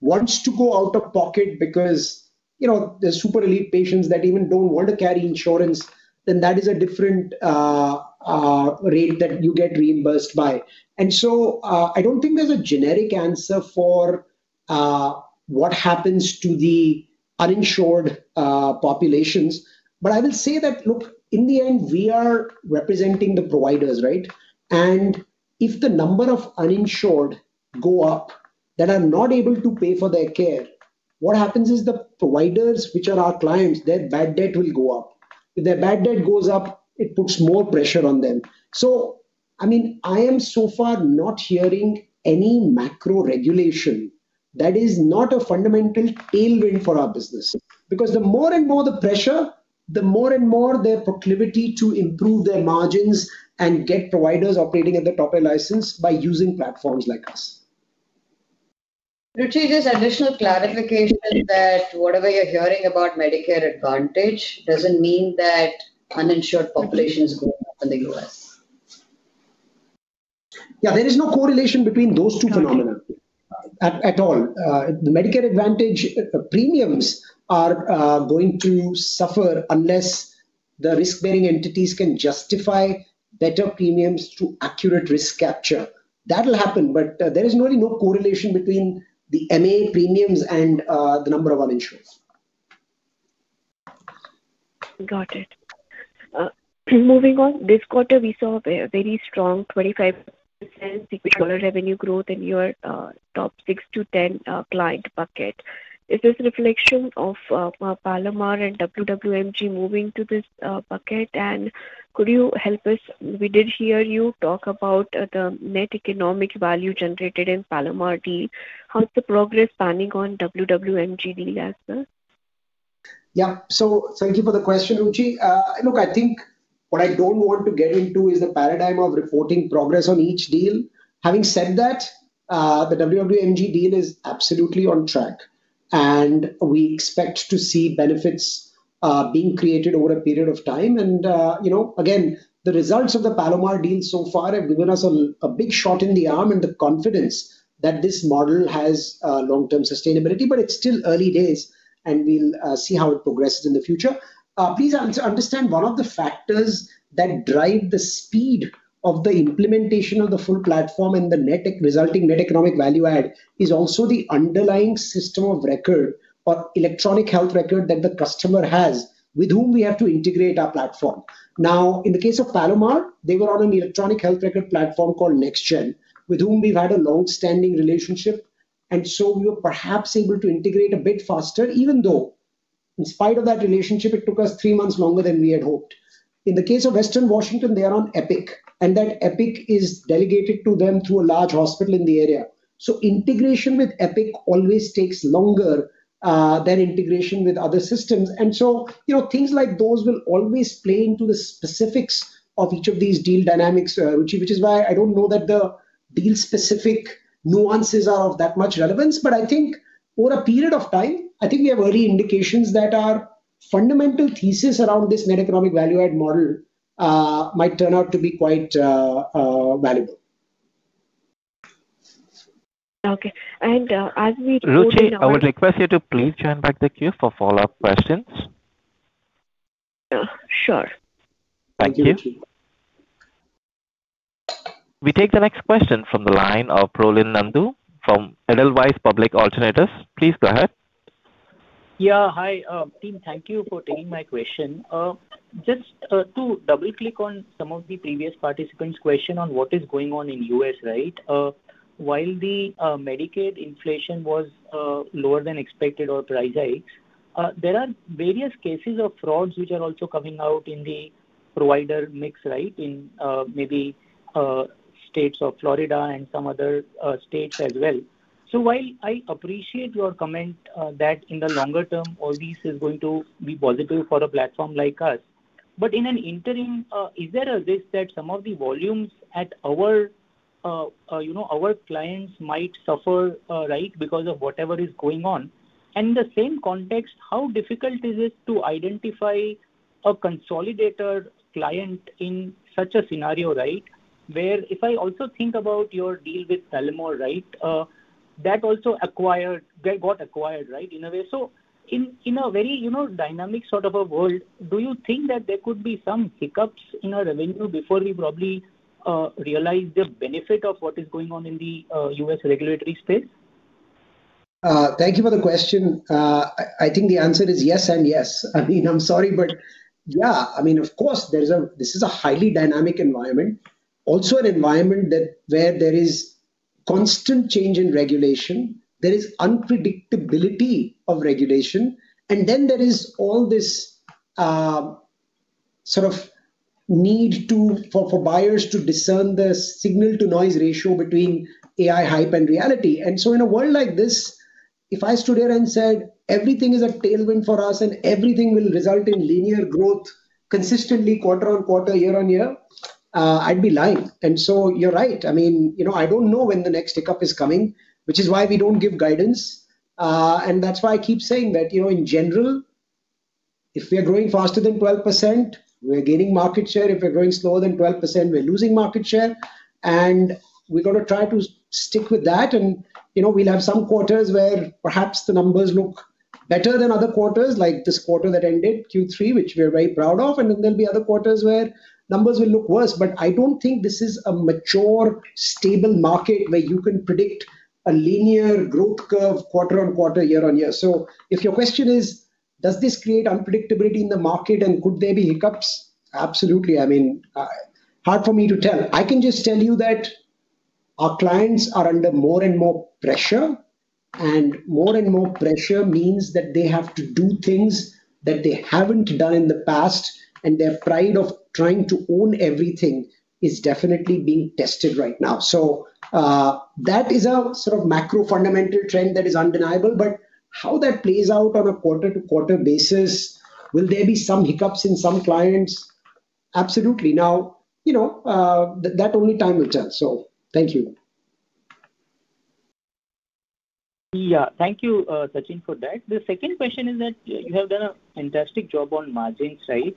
D: wants to go out of pocket because there's super elite patients that even don't want to carry insurance, then that is a different rate that you get reimbursed by. And so I don't think there's a generic answer for what happens to the uninsured populations. But I will say that, look, in the end, we are representing the providers, right? And if the number of uninsured go up that are not able to pay for their care, what happens is the providers, which are our clients, their bad debt will go up. If their bad debt goes up, it puts more pressure on them. So I mean, I am so far not hearing any macro regulation that is not a fundamental tailwind for our business. Because the more and more the pressure, the more and more their proclivity to improve their margins and get providers operating at the top of their license by using platforms like us.
E: Ruchi, just additional clarification that whatever you're hearing about Medicare Advantage doesn't mean that uninsured populations go up in the U.S.
D: Yeah. There is no correlation between those two phenomena at all. The Medicare Advantage premiums are going to suffer unless the risk-bearing entities can justify better premiums to accurate risk capture. That will happen. But there is really no correlation between the MA premiums and the number of uninsured.
G: Got it. Moving on, this quarter, we saw a very strong 25% revenue growth in your top six to 10 client bucket. Is this a reflection of Palomar and WWMG moving to this bucket? And could you help us? We did hear you talk about the net economic value generated in Palomar deal. How's the progress panning out on WWMG deal as well?
D: Yeah. So thank you for the question, Ruchi. Look, I think what I don't want to get into is the paradigm of reporting progress on each deal. Having said that, the WWMG deal is absolutely on track. And we expect to see benefits being created over a period of time. And again, the results of the Palomar deal so far have given us a big shot in the arm and the confidence that this model has long-term sustainability. But it's still early days. And we'll see how it progresses in the future. Please understand one of the factors that drive the speed of the implementation of the full platform and the resulting net economic value add is also the underlying system of record or electronic health record that the customer has with whom we have to integrate our platform. Now, in the case of Palomar, they were on an electronic health record platform called NextGen, with whom we've had a longstanding relationship. And so we were perhaps able to integrate a bit faster, even though in spite of that relationship, it took us three months longer than we had hoped. In the case of Western Washington, they are on Epic. And that Epic is delegated to them through a large hospital in the area. So integration with Epic always takes longer than integration with other systems. And so things like those will always play into the specifics of each of these deal dynamics, Ruchi, which is why I don't know that the deal-specific nuances are of that much relevance. I think over a period of time, I think we have early indications that our fundamental thesis around this net economic value add model might turn out to be quite valuable.
G: Okay. And as we report in our.
A: Ruchi, I would request you to please join back the queue for follow-up questions.
G: Sure.
A: Thank you. We take the next question from the line of Prolin Nandu from Edelweiss Public Alternatives. Please go ahead.
H: Yeah. Hi, team. Thank you for taking my question. Just to double-click on some of the previous participants' question on what is going on in the U.S., right, while the Medicaid inflation was lower than expected or price hikes, there are various cases of frauds which are also coming out in the provider mix, right, in maybe states of Florida and some other states as well. So while I appreciate your comment that in the longer term, all this is going to be positive for a platform like us, but in an interim, is there a risk that some of the volumes at our clients might suffer, right, because of whatever is going on? In the same context, how difficult is it to identify a consolidator client in such a scenario, right, where if I also think about your deal with Palomar, right, that also got acquired, right, in a very dynamic sort of a world, do you think that there could be some hiccups in our revenue before we probably realize the benefit of what is going on in the U.S. regulatory space?
D: Thank you for the question. I think the answer is yes and yes. I mean, I'm sorry, but yeah. I mean, of course, this is a highly dynamic environment, also an environment where there is constant change in regulation. There is unpredictability of regulation. And then there is all this sort of need for buyers to discern the signal-to-noise ratio between AI hype and reality. And so in a world like this, if I stood here and said everything is a tailwind for us and everything will result in linear growth consistently quarter-on-quarter, year-on-year, I'd be lying. And so you're right. I mean, I don't know when the next hiccup is coming, which is why we don't give guidance. And that's why I keep saying that in general, if we are growing faster than 12%, we're gaining market share. If we're growing slower than 12%, we're losing market share. We're going to try to stick with that. We'll have some quarters where perhaps the numbers look better than other quarters, like this quarter that ended, Q3, which we are very proud of. Then there'll be other quarters where numbers will look worse. I don't think this is a mature, stable market where you can predict a linear growth curve quarter-over-quarter, year-over-year. If your question is, does this create unpredictability in the market, and could there be hiccups? Absolutely. I mean, hard for me to tell. I can just tell you that our clients are under more and more pressure. More and more pressure means that they have to do things that they haven't done in the past. Their pride of trying to own everything is definitely being tested right now. So that is a sort of macro fundamental trend that is undeniable. But how that plays out on a quarter-to-quarter basis, will there be some hiccups in some clients? Absolutely. Now, that only time will tell. So thank you.
H: Yeah. Thank you, Sachin, for that. The second question is that you have done a fantastic job on margins, right?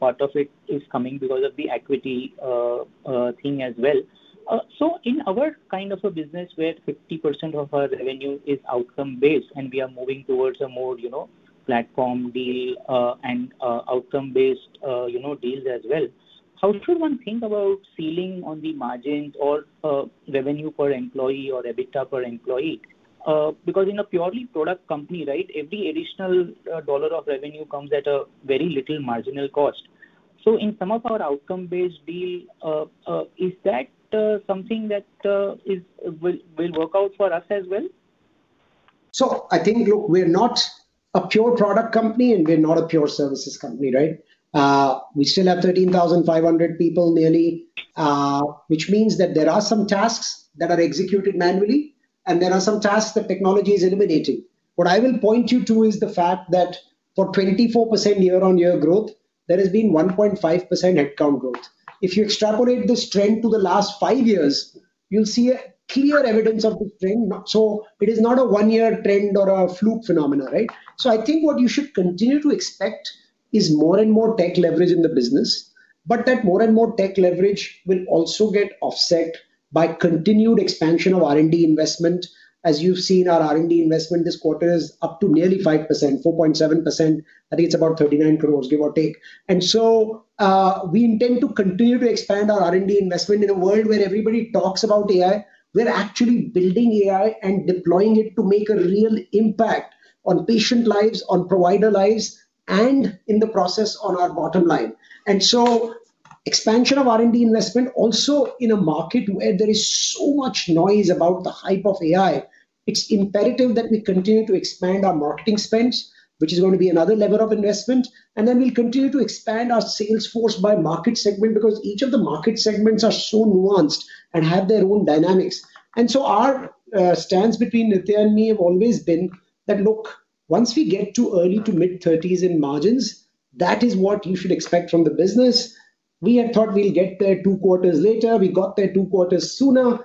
H: Part of it is coming because of the equity thing as well. In our kind of a business where 50% of our revenue is outcome-based, and we are moving towards a more platform deal and outcome-based deals as well, how should one think about ceiling on the margins or revenue per employee or EBITDA per employee? Because in a purely product company, right, every additional dollar of revenue comes at a very little marginal cost. In some of our outcome-based deal, is that something that will work out for us as well?
D: So I think, look, we're not a pure product company, and we're not a pure services company, right? We still have 13,500 people nearly, which means that there are some tasks that are executed manually, and there are some tasks that technology is eliminating. What I will point you to is the fact that for 24% year-on-year growth, there has been 1.5% headcount growth. If you extrapolate this trend to the last five years, you'll see clear evidence of this trend. So it is not a one-year trend or a fluke phenomenon, right? So I think what you should continue to expect is more and more tech leverage in the business. But that more and more tech leverage will also get offset by continued expansion of R&D investment. As you've seen, our R&D investment this quarter is up to nearly 5%, 4.7%. I think it's about 39 crore, give or take. And so we intend to continue to expand our R&D investment in a world where everybody talks about AI. We're actually building AI and deploying it to make a real impact on patient lives, on provider lives, and in the process, on our bottom line. And so expansion of R&D investment also in a market where there is so much noise about the hype of AI, it's imperative that we continue to expand our marketing spends, which is going to be another level of investment. And then we'll continue to expand our sales force by market segment because each of the market segments are so nuanced and have their own dynamics. And so our stance between Nithya and me has always been that, look, once we get to early-to-mid 30s in margins, that is what you should expect from the business. We had thought we'd get there two quarters later. We got there two quarters sooner.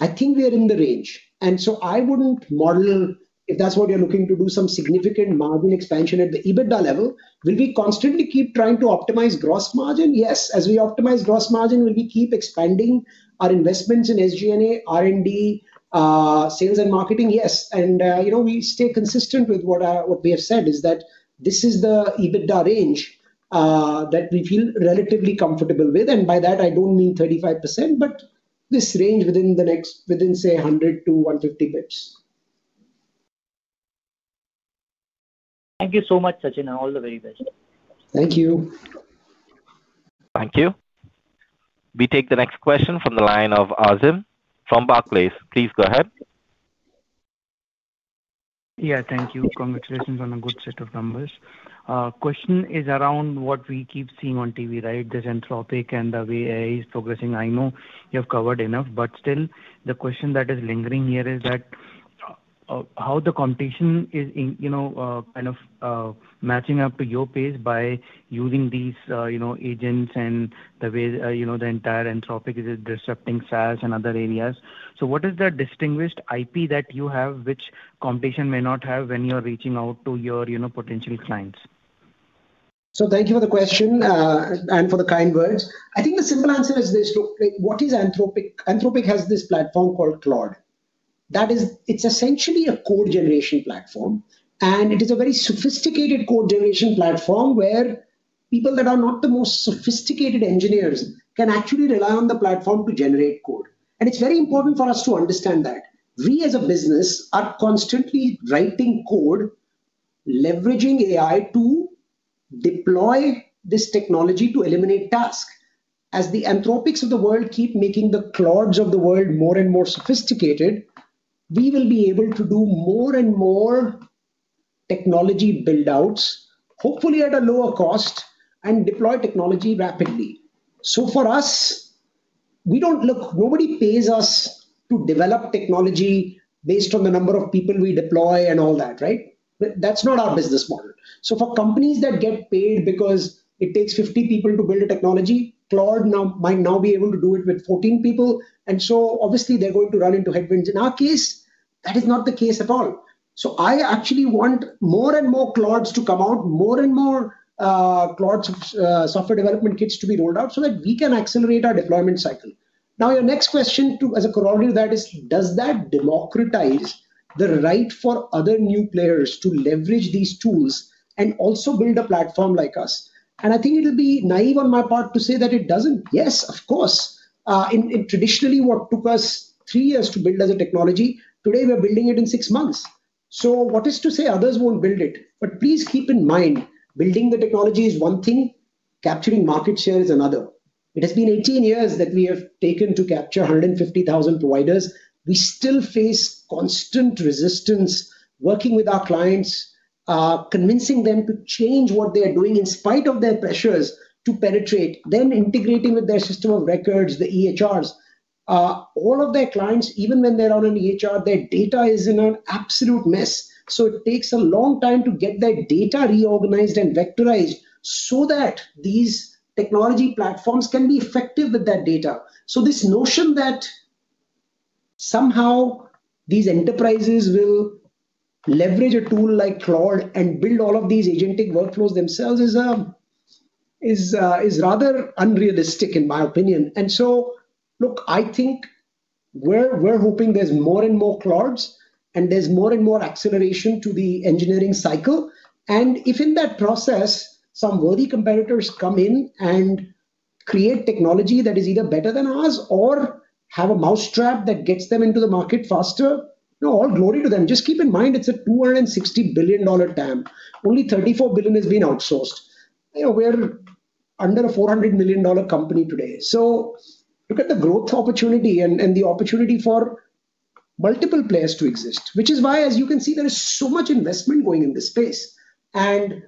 D: I think we are in the range. And so I wouldn't model, if that's what you're looking to do, some significant margin expansion at the EBITDA level. Will we constantly keep trying to optimize gross margin? Yes. As we optimize gross margin, will we keep expanding our investments in SG&A, R&D, sales, and marketing? Yes. And we stay consistent with what we have said, is that this is the EBITDA range that we feel relatively comfortable with. And by that, I don't mean 35%, but this range within the next, say, 100-150 basis points.
H: Thank you so much, Sachin, and all the very best.
D: Thank you.
A: Thank you. We take the next question from the line of Azeem from Barclays. Please go ahead.
I: Yeah. Thank you. Congratulations on a good set of numbers. Question is around what we keep seeing on TV, right, this Anthropic and the way AI is progressing. I know you have covered enough. But still, the question that is lingering here is that how the competition is kind of matching up to your pace by using these agents and the way the entire Anthropic is disrupting SaaS and other areas. So what is that distinguished IP that you have which competition may not have when you're reaching out to your potential clients?
D: So thank you for the question and for the kind words. I think the simple answer is this. Look, what is Anthropic? Anthropic has this platform called Claude. It's essentially a code generation platform. And it is a very sophisticated code generation platform where people that are not the most sophisticated engineers can actually rely on the platform to generate code. And it's very important for us to understand that we, as a business, are constantly writing code, leveraging AI to deploy this technology to eliminate task. As the Anthropics of the world keep making the Claudes of the world more and more sophisticated, we will be able to do more and more technology buildouts, hopefully at a lower cost, and deploy technology rapidly. So for us, we don't look nobody pays us to develop technology based on the number of people we deploy and all that, right? That's not our business model. So for companies that get paid because it takes 50 people to build a technology, Claude might now be able to do it with 14 people. And so obviously, they're going to run into headwinds. In our case, that is not the case at all. So I actually want more and more Claudes to come out, more and more Claudes software development kits to be rolled out so that we can accelerate our deployment cycle. Now, your next question as a corollary to that is, does that democratize the right for other new players to leverage these tools and also build a platform like us? And I think it'll be naive on my part to say that it doesn't. Yes, of course. Traditionally, what took us three years to build as a technology, today, we're building it in six months. So what is to say others won't build it? But please keep in mind, building the technology is one thing. Capturing market share is another. It has been 18 years that we have taken to capture 150,000 providers. We still face constant resistance working with our clients, convincing them to change what they are doing in spite of their pressures to penetrate, then integrating with their system of records, the EHRs. All of their clients, even when they're on an EHR, their data is in an absolute mess. So it takes a long time to get that data reorganized and vectorized so that these technology platforms can be effective with that data. So this notion that somehow these enterprises will leverage a tool like Claude and build all of these agentic workflows themselves is rather unrealistic, in my opinion. And so, look, I think we're hoping there's more and more Claudes, and there's more and more acceleration to the engineering cycle. And if in that process, some worthy competitors come in and create technology that is either better than ours or have a mousetrap that gets them into the market faster, all glory to them. Just keep in mind, it's a $260 billion TAM. Only $34 billion has been outsourced. We're under a $400 million company today. So look at the growth opportunity and the opportunity for multiple players to exist, which is why, as you can see, there is so much investment going in this space. And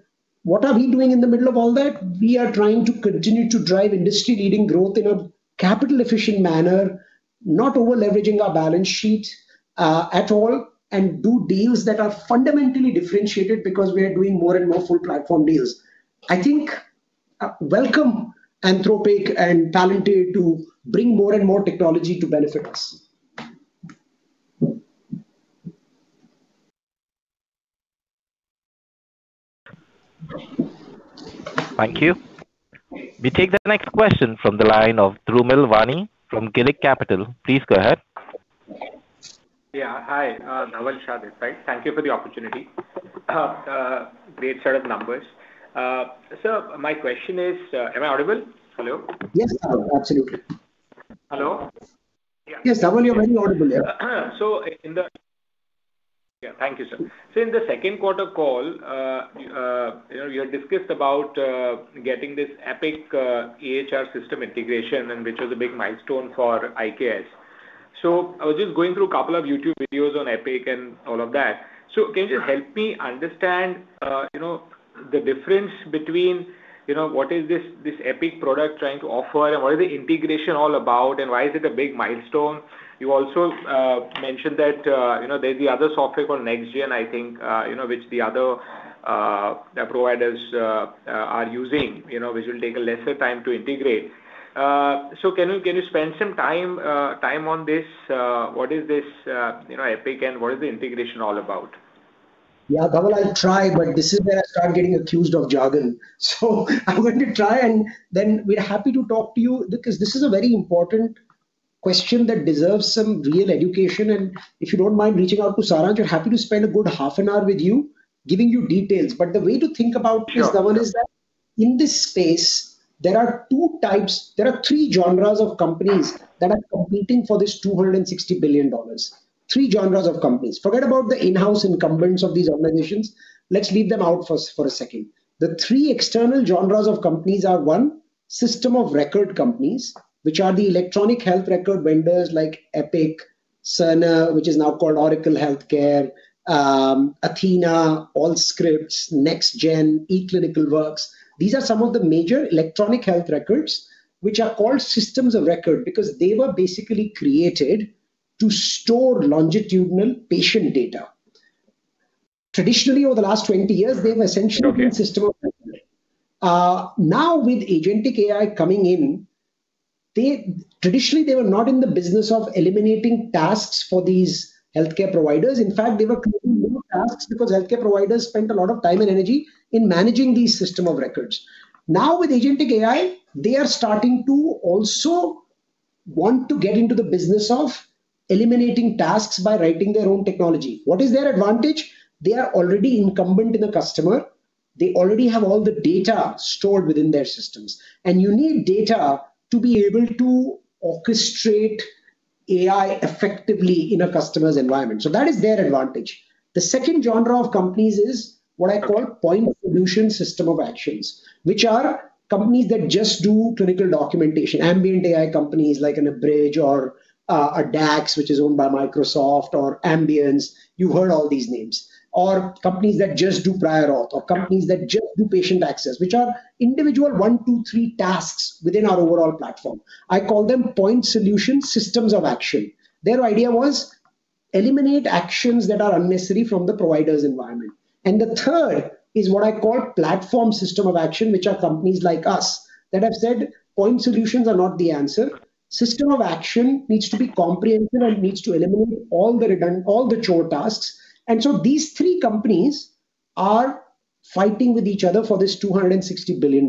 D: what are we doing in the middle of all that? We are trying to continue to drive industry-leading growth in a capital-efficient manner, not over-leveraging our balance sheet at all, and do deals that are fundamentally differentiated because we are doing more and more full-platform deals. I think welcome Anthropic and Palantir to bring more and more technology to benefit us.
A: Thank you. We take the next question from the line of Dhaval Shah from Girik Capital. Please go ahead.
J: Yeah. Hi, Dhaval Shah, right? Thank you for the opportunity. Great set of numbers. So my question is, am I audible? Hello?
D: Yes, Dhaval. Absolutely.
J: Hello? Yeah.
D: Yes, Dhaval, you're very audible here.
J: Thank you, sir. So in the second quarter call, we had discussed about getting this Epic EHR system integration, which was a big milestone for IKS. So I was just going through a couple of YouTube videos on Epic and all of that. So can you just help me understand the difference between what is this Epic product trying to offer, and what is the integration all about, and why is it a big milestone? You also mentioned that there's the other software called NextGen, I think, which the other providers are using, which will take a lesser time to integrate. So can you spend some time on this? What is this Epic, and what is the integration all about?
D: Yeah, Dhaval, I'll try. But this is where I start getting accused of jargon. So I'm going to try. And then we're happy to talk to you because this is a very important question that deserves some real education. And if you don't mind reaching out to Saransh, we're happy to spend a good half an hour with you giving you details. But the way to think about this, Dhaval, is that in this space, there are two types there are three genres of companies that are competing for this $260 billion, three genres of companies. Forget about the in-house incumbents of these organizations. Let's leave them out for a second. The three external genres of companies are, one, system-of-record companies, which are the electronic health record vendors like Epic, Cerner, which is now called Oracle Healthcare, Athena, Allscripts, NextGen, eClinicalWorks. These are some of the major electronic health records, which are called systems of record because they were basically created to store longitudinal patient data. Traditionally, over the last 20 years, they've essentially been system of record. Now, with agentic AI coming in, traditionally, they were not in the business of eliminating tasks for these healthcare providers. In fact, they were creating more tasks because healthcare providers spent a lot of time and energy in managing these systems of record. Now, with agentic AI, they are starting to also want to get into the business of eliminating tasks by writing their own technology. What is their advantage? They are already incumbent in a customer. They already have all the data stored within their systems. And you need data to be able to orchestrate AI effectively in a customer's environment. So that is their advantage. The second genre of companies is what I call point solution system-of-actions, which are companies that just do clinical documentation, ambient AI companies like Abridge or DAX, which is owned by Microsoft, or Ambience. You've heard all these names, or companies that just do prior auth, or companies that just do patient access, which are individual one, two, three tasks within our overall platform. I call them point solution systems of action. Their idea was to eliminate actions that are unnecessary from the provider's environment. The third is what I call platform system of action, which are companies like us that have said point solutions are not the answer. System of action needs to be comprehensive and needs to eliminate all the chore tasks. So these three companies are fighting with each other for this $260 billion.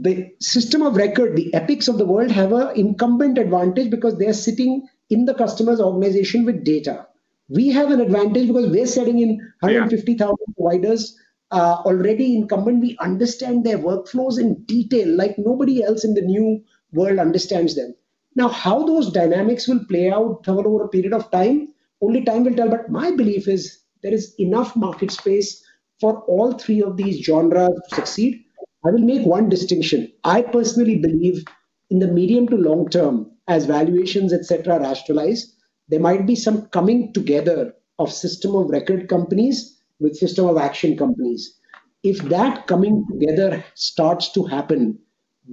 D: The system of record, the Epic of the world, have an incumbent advantage because they're sitting in the customer's organization with data. We have an advantage because we're sitting in 150,000 providers already incumbent. We understand their workflows in detail like nobody else in the new world understands them. Now, how those dynamics will play out over a period of time, only time will tell. But my belief is there is enough market space for all three of these genres to succeed. I will make one distinction. I personally believe in the medium to long term, as valuations, etc., rationalize, there might be some coming together of system-of-record companies with system-of-action companies. If that coming together starts to happen,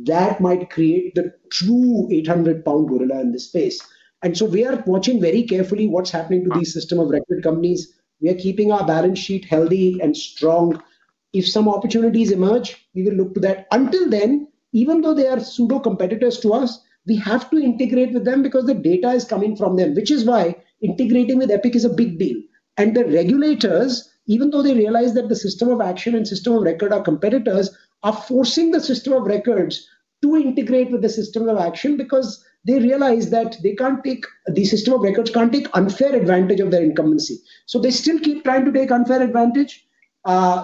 D: that might create the true 800-pound gorilla in this space. And so we are watching very carefully what's happening to these system-of-record companies. We are keeping our balance sheet healthy and strong. If some opportunities emerge, we will look to that. Until then, even though they are pseudo-competitors to us, we have to integrate with them because the data is coming from them, which is why integrating with Epic is a big deal. And the regulators, even though they realize that the system of action and system of record are competitors, are forcing the system of records to integrate with the system of action because they realize that they can't take the system of records can't take unfair advantage of their incumbency. So they still keep trying to take unfair advantage.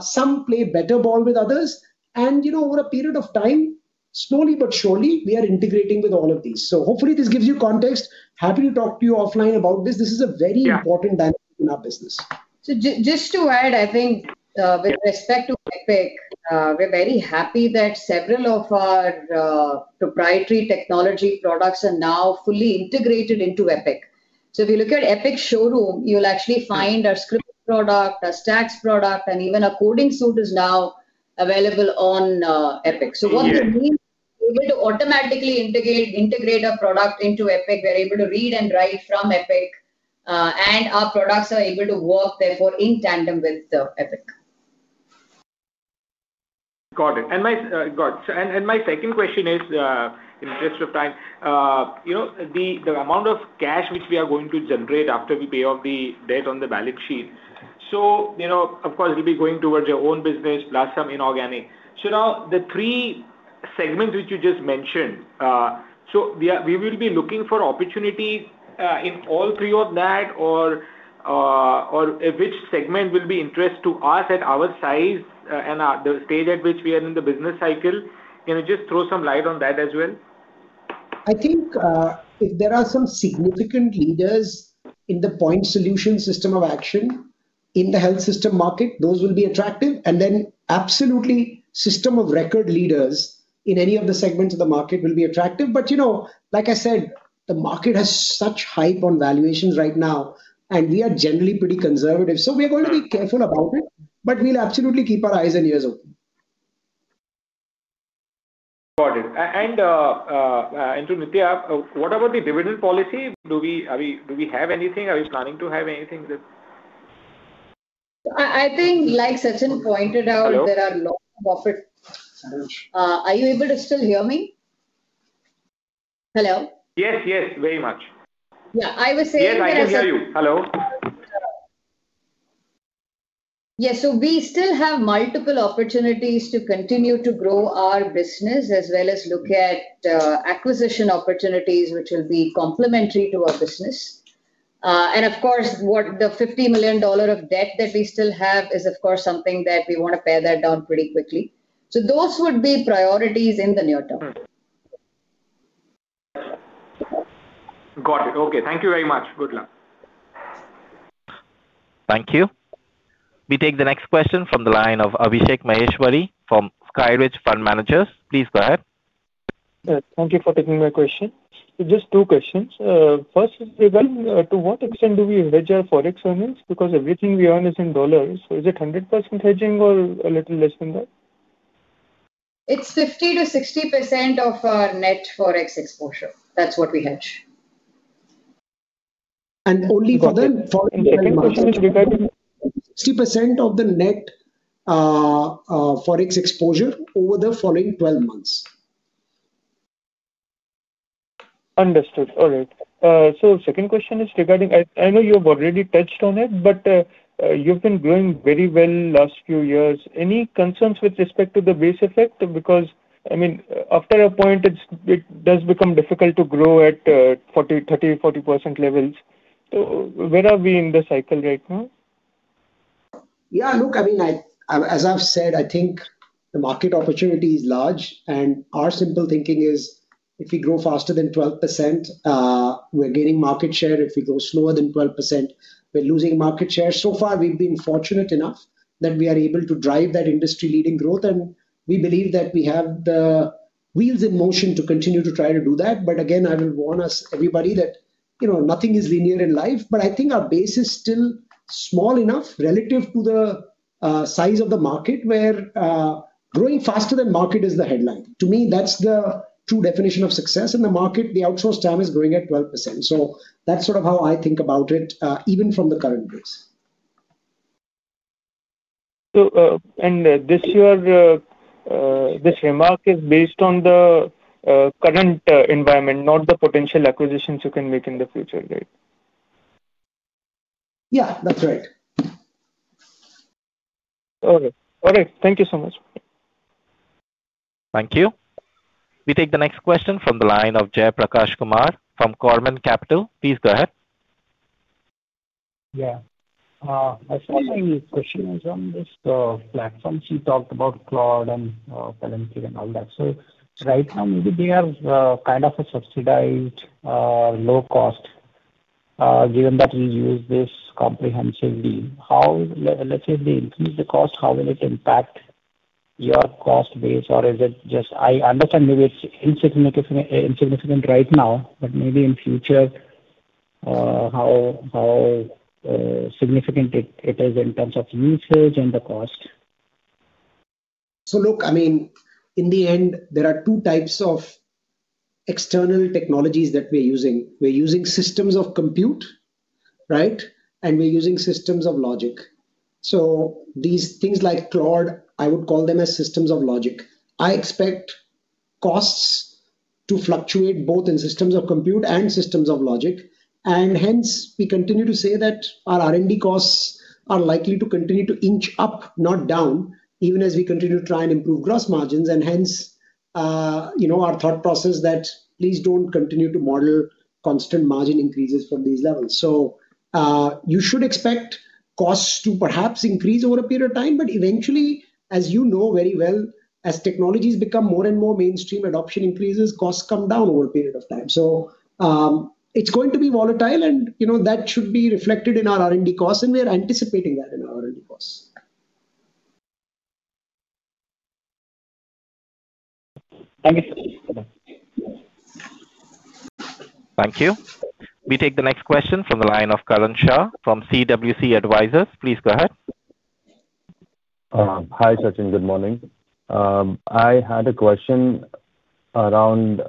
D: Some play better ball with others. And over a period of time, slowly but surely, we are integrating with all of these. So hopefully, this gives you context. Happy to talk to you offline about this. This is a very important dynamic in our business.
E: So just to add, I think, with respect to Epic, we're very happy that several of our proprietary technology products are now fully integrated into Epic. So if you look at Epic's showroom, you'll actually find our Scribble product, our Stacks product, and even a coding suite is now available on Epic. So what we mean is we're able to automatically integrate a product into Epic. We're able to read and write from Epic. And our products are able to work, therefore, in tandem with Epic. Got it. And my second question is, in the interest of time, the amount of cash which we are going to generate after we pay off the debt on the balance sheet. So of course, it'll be going towards your own business plus some inorganic.
J: So now, the three segments which you just mentioned, so we will be looking for opportunities in all three of that, or which segment will be interesting to us at our size and the stage at which we are in the business cycle? Can you just throw some light on that as well?
D: I think if there are some significant leaders in the point solution system of action in the health system market, those will be attractive. And then absolutely, system-of-record leaders in any of the segments of the market will be attractive. But like I said, the market has such hype on valuations right now. And we are generally pretty conservative. So we are going to be careful about it. But we'll absolutely keep our eyes and ears open.
J: Got it. Nithya, what about the dividend policy? Do we have anything? Are we planning to have anything with this?
E: I think, like Setsan pointed out, there are lots of opportunities. Are you able to still hear me? Hello?
J: Yes, yes, very much.
E: Yeah. I was saying that I can hear you.
J: Yes, I can hear you. Hello?
E: Yes. So we still have multiple opportunities to continue to grow our business as well as look at acquisition opportunities, which will be complementary to our business. Of course, the $50 million of debt that we still have is, of course, something that we want to pare that down pretty quickly. Those would be priorities in the near term.
J: Got it. Okay. Thank you very much. Good luck.
A: Thank you. We take the next question from the line of Abhishek Maheshwari from Skyridge Fund Managers. Please go ahead.
K: Thank you for taking my question. So just two questions. First is regarding to what extent do we hedge our forex earnings? Because everything we earn is in dollars. So is it 100% hedging or a little less than that?
E: It's 50%-60% of our net forex exposure. That's what we hedge.
K: Only for the following 12 months?
E: The second question is regarding 60% of the net forex exposure over the following 12 months.
K: Understood. All right. So second question is regarding. I know you have already touched on it, but you've been growing very well last few years. Any concerns with respect to the base effect? Because, I mean, after a point, it does become difficult to grow at 30%-40% levels. So where are we in the cycle right now?
D: Yeah. Look, I mean, as I've said, I think the market opportunity is large. Our simple thinking is if we grow faster than 12%, we're gaining market share. If we grow slower than 12%, we're losing market share. So far, we've been fortunate enough that we are able to drive that industry-leading growth. We believe that we have the wheels in motion to continue to try to do that. But again, I will warn everybody that nothing is linear in life. I think our base is still small enough relative to the size of the market, where growing faster than market is the headline. To me, that's the true definition of success in the market. The outsourced TAM is growing at 12%. So that's sort of how I think about it, even from the current base.
K: This remark is based on the current environment, not the potential acquisitions you can make in the future, right?
D: Yeah, that's right.
K: All right. All right. Thank you so much.
A: Thank you. We take the next question from the line of Jaiprakash Kumar from Korman Capital. Please go ahead.
L: Yeah. I saw my question is on this platform. She talked about Claude and Palantir and all that. So right now, maybe they are kind of a subsidized low-cost, given that we use this comprehensive deal. Let's say if they increase the cost, how will it impact your cost base? Or is it just I understand maybe it's insignificant right now. But maybe in future, how significant it is in terms of usage and the cost?
D: So look, I mean, in the end, there are two types of external technologies that we're using. We're using systems of compute, right? And we're using systems of logic. So these things like Claude, I would call them as systems of logic. I expect costs to fluctuate both in systems of compute and systems of logic. And hence, we continue to say that our R&D costs are likely to continue to inch up, not down, even as we continue to try and improve gross margins. And hence, our thought process is that please don't continue to model constant margin increases from these levels. So you should expect costs to perhaps increase over a period of time. But eventually, as you know very well, as technologies become more and more mainstream, adoption increases. Costs come down over a period of time. So it's going to be vola tile. That should be reflected in our R&D costs. We are anticipating that in our R&D costs.
L: Thank you.
A: Thank you. We take the next question from the line of Karan Shah from CWC Advisors. Please go ahead.
M: Hi, Sachin. Good morning. I had a question around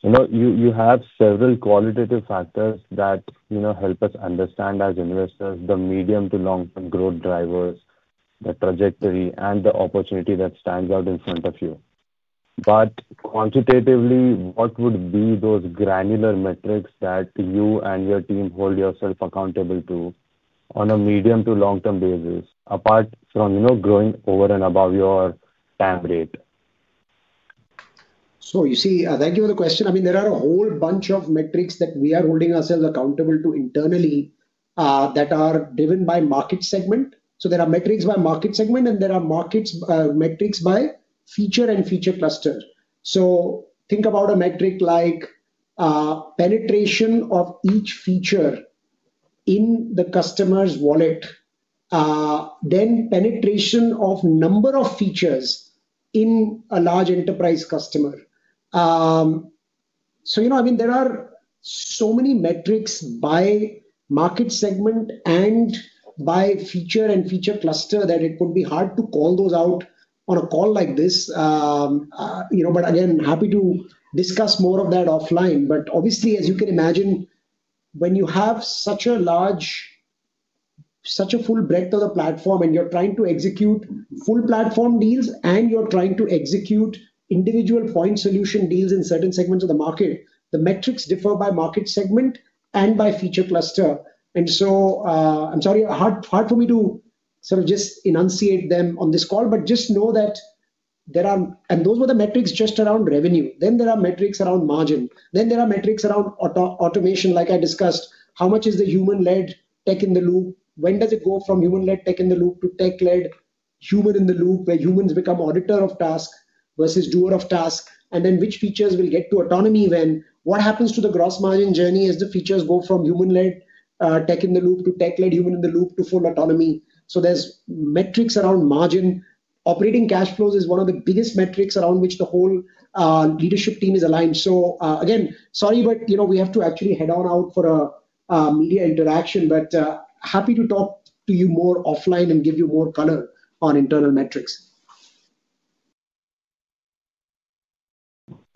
M: you have several qualitative factors that help us understand as investors, the medium to long-term growth drivers, the trajectory, and the opportunity that stands out in front of you. But quantitatively, what would be those granular metrics that you and your team hold yourself accountable to on a medium to long-term basis, apart from growing over and above your TAM rate?
D: You see, thank you for the question. I mean, there are a whole bunch of metrics that we are holding ourselves accountable to internally that are driven by market segment. There are metrics by market segment. There are metrics by feature and feature cluster. Think about a metric like penetration of each feature in the customer's wallet, then penetration of number of features in a large enterprise customer. I mean, there are so many metrics by market segment and by feature and feature cluster that it would be hard to call those out on a call like this. But again, happy to discuss more of that offline. But obviously, as you can imagine, when you have such a full breadth of the platform and you're trying to execute full platform deals, and you're trying to execute individual point solution deals in certain segments of the market, the metrics differ by market segment and by feature cluster. And so I'm sorry, hard for me to sort of just enunciate them on this call. But just know that there are and those were the metrics just around revenue. Then there are metrics around margin. Then there are metrics around automation, like I discussed. How much is the human-led tech in the loop? When does it go from human-led tech in the loop to tech-led human in the loop, where humans become auditor of task versus doer of task? And then which features will get to autonomy when? What happens to the gross margin journey as the features go from human-led tech in the loop to tech-led human in the loop to full autonomy? So there's metrics around margin. Operating cash flows is one of the biggest metrics around which the whole leadership team is aligned. So again, sorry, but we have to actually head on out for a media interaction. But happy to talk to you more offline and give you more color on internal metrics.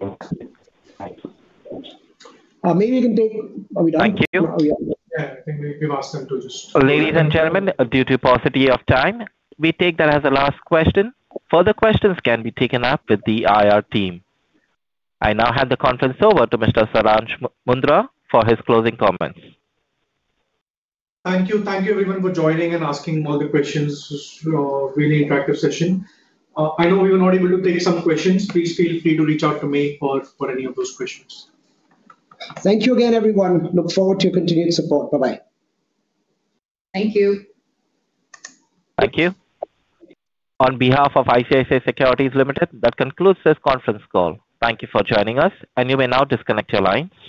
D: Maybe we can take. Are we done?
M: Thank you.
C: Yeah. I think we've asked them to just.
A: Ladies and gentlemen, due to paucity of time, we take that as a last question. Further questions can be taken up with the IR team. I now hand the conference over to Mr. Saransh Mundra for his closing comments.
C: Thank you. Thank you, everyone, for joining and asking all the questions. Really interactive session. I know we were not able to take some questions. Please feel free to reach out to me for any of those questions.
D: Thank you again, everyone. Look forward to your continued support. Bye-bye.
E: Thank you.
A: Thank you. On behalf of ICICI Securities Limited, that concludes this conference call. Thank you for joining us. You may now disconnect your lines.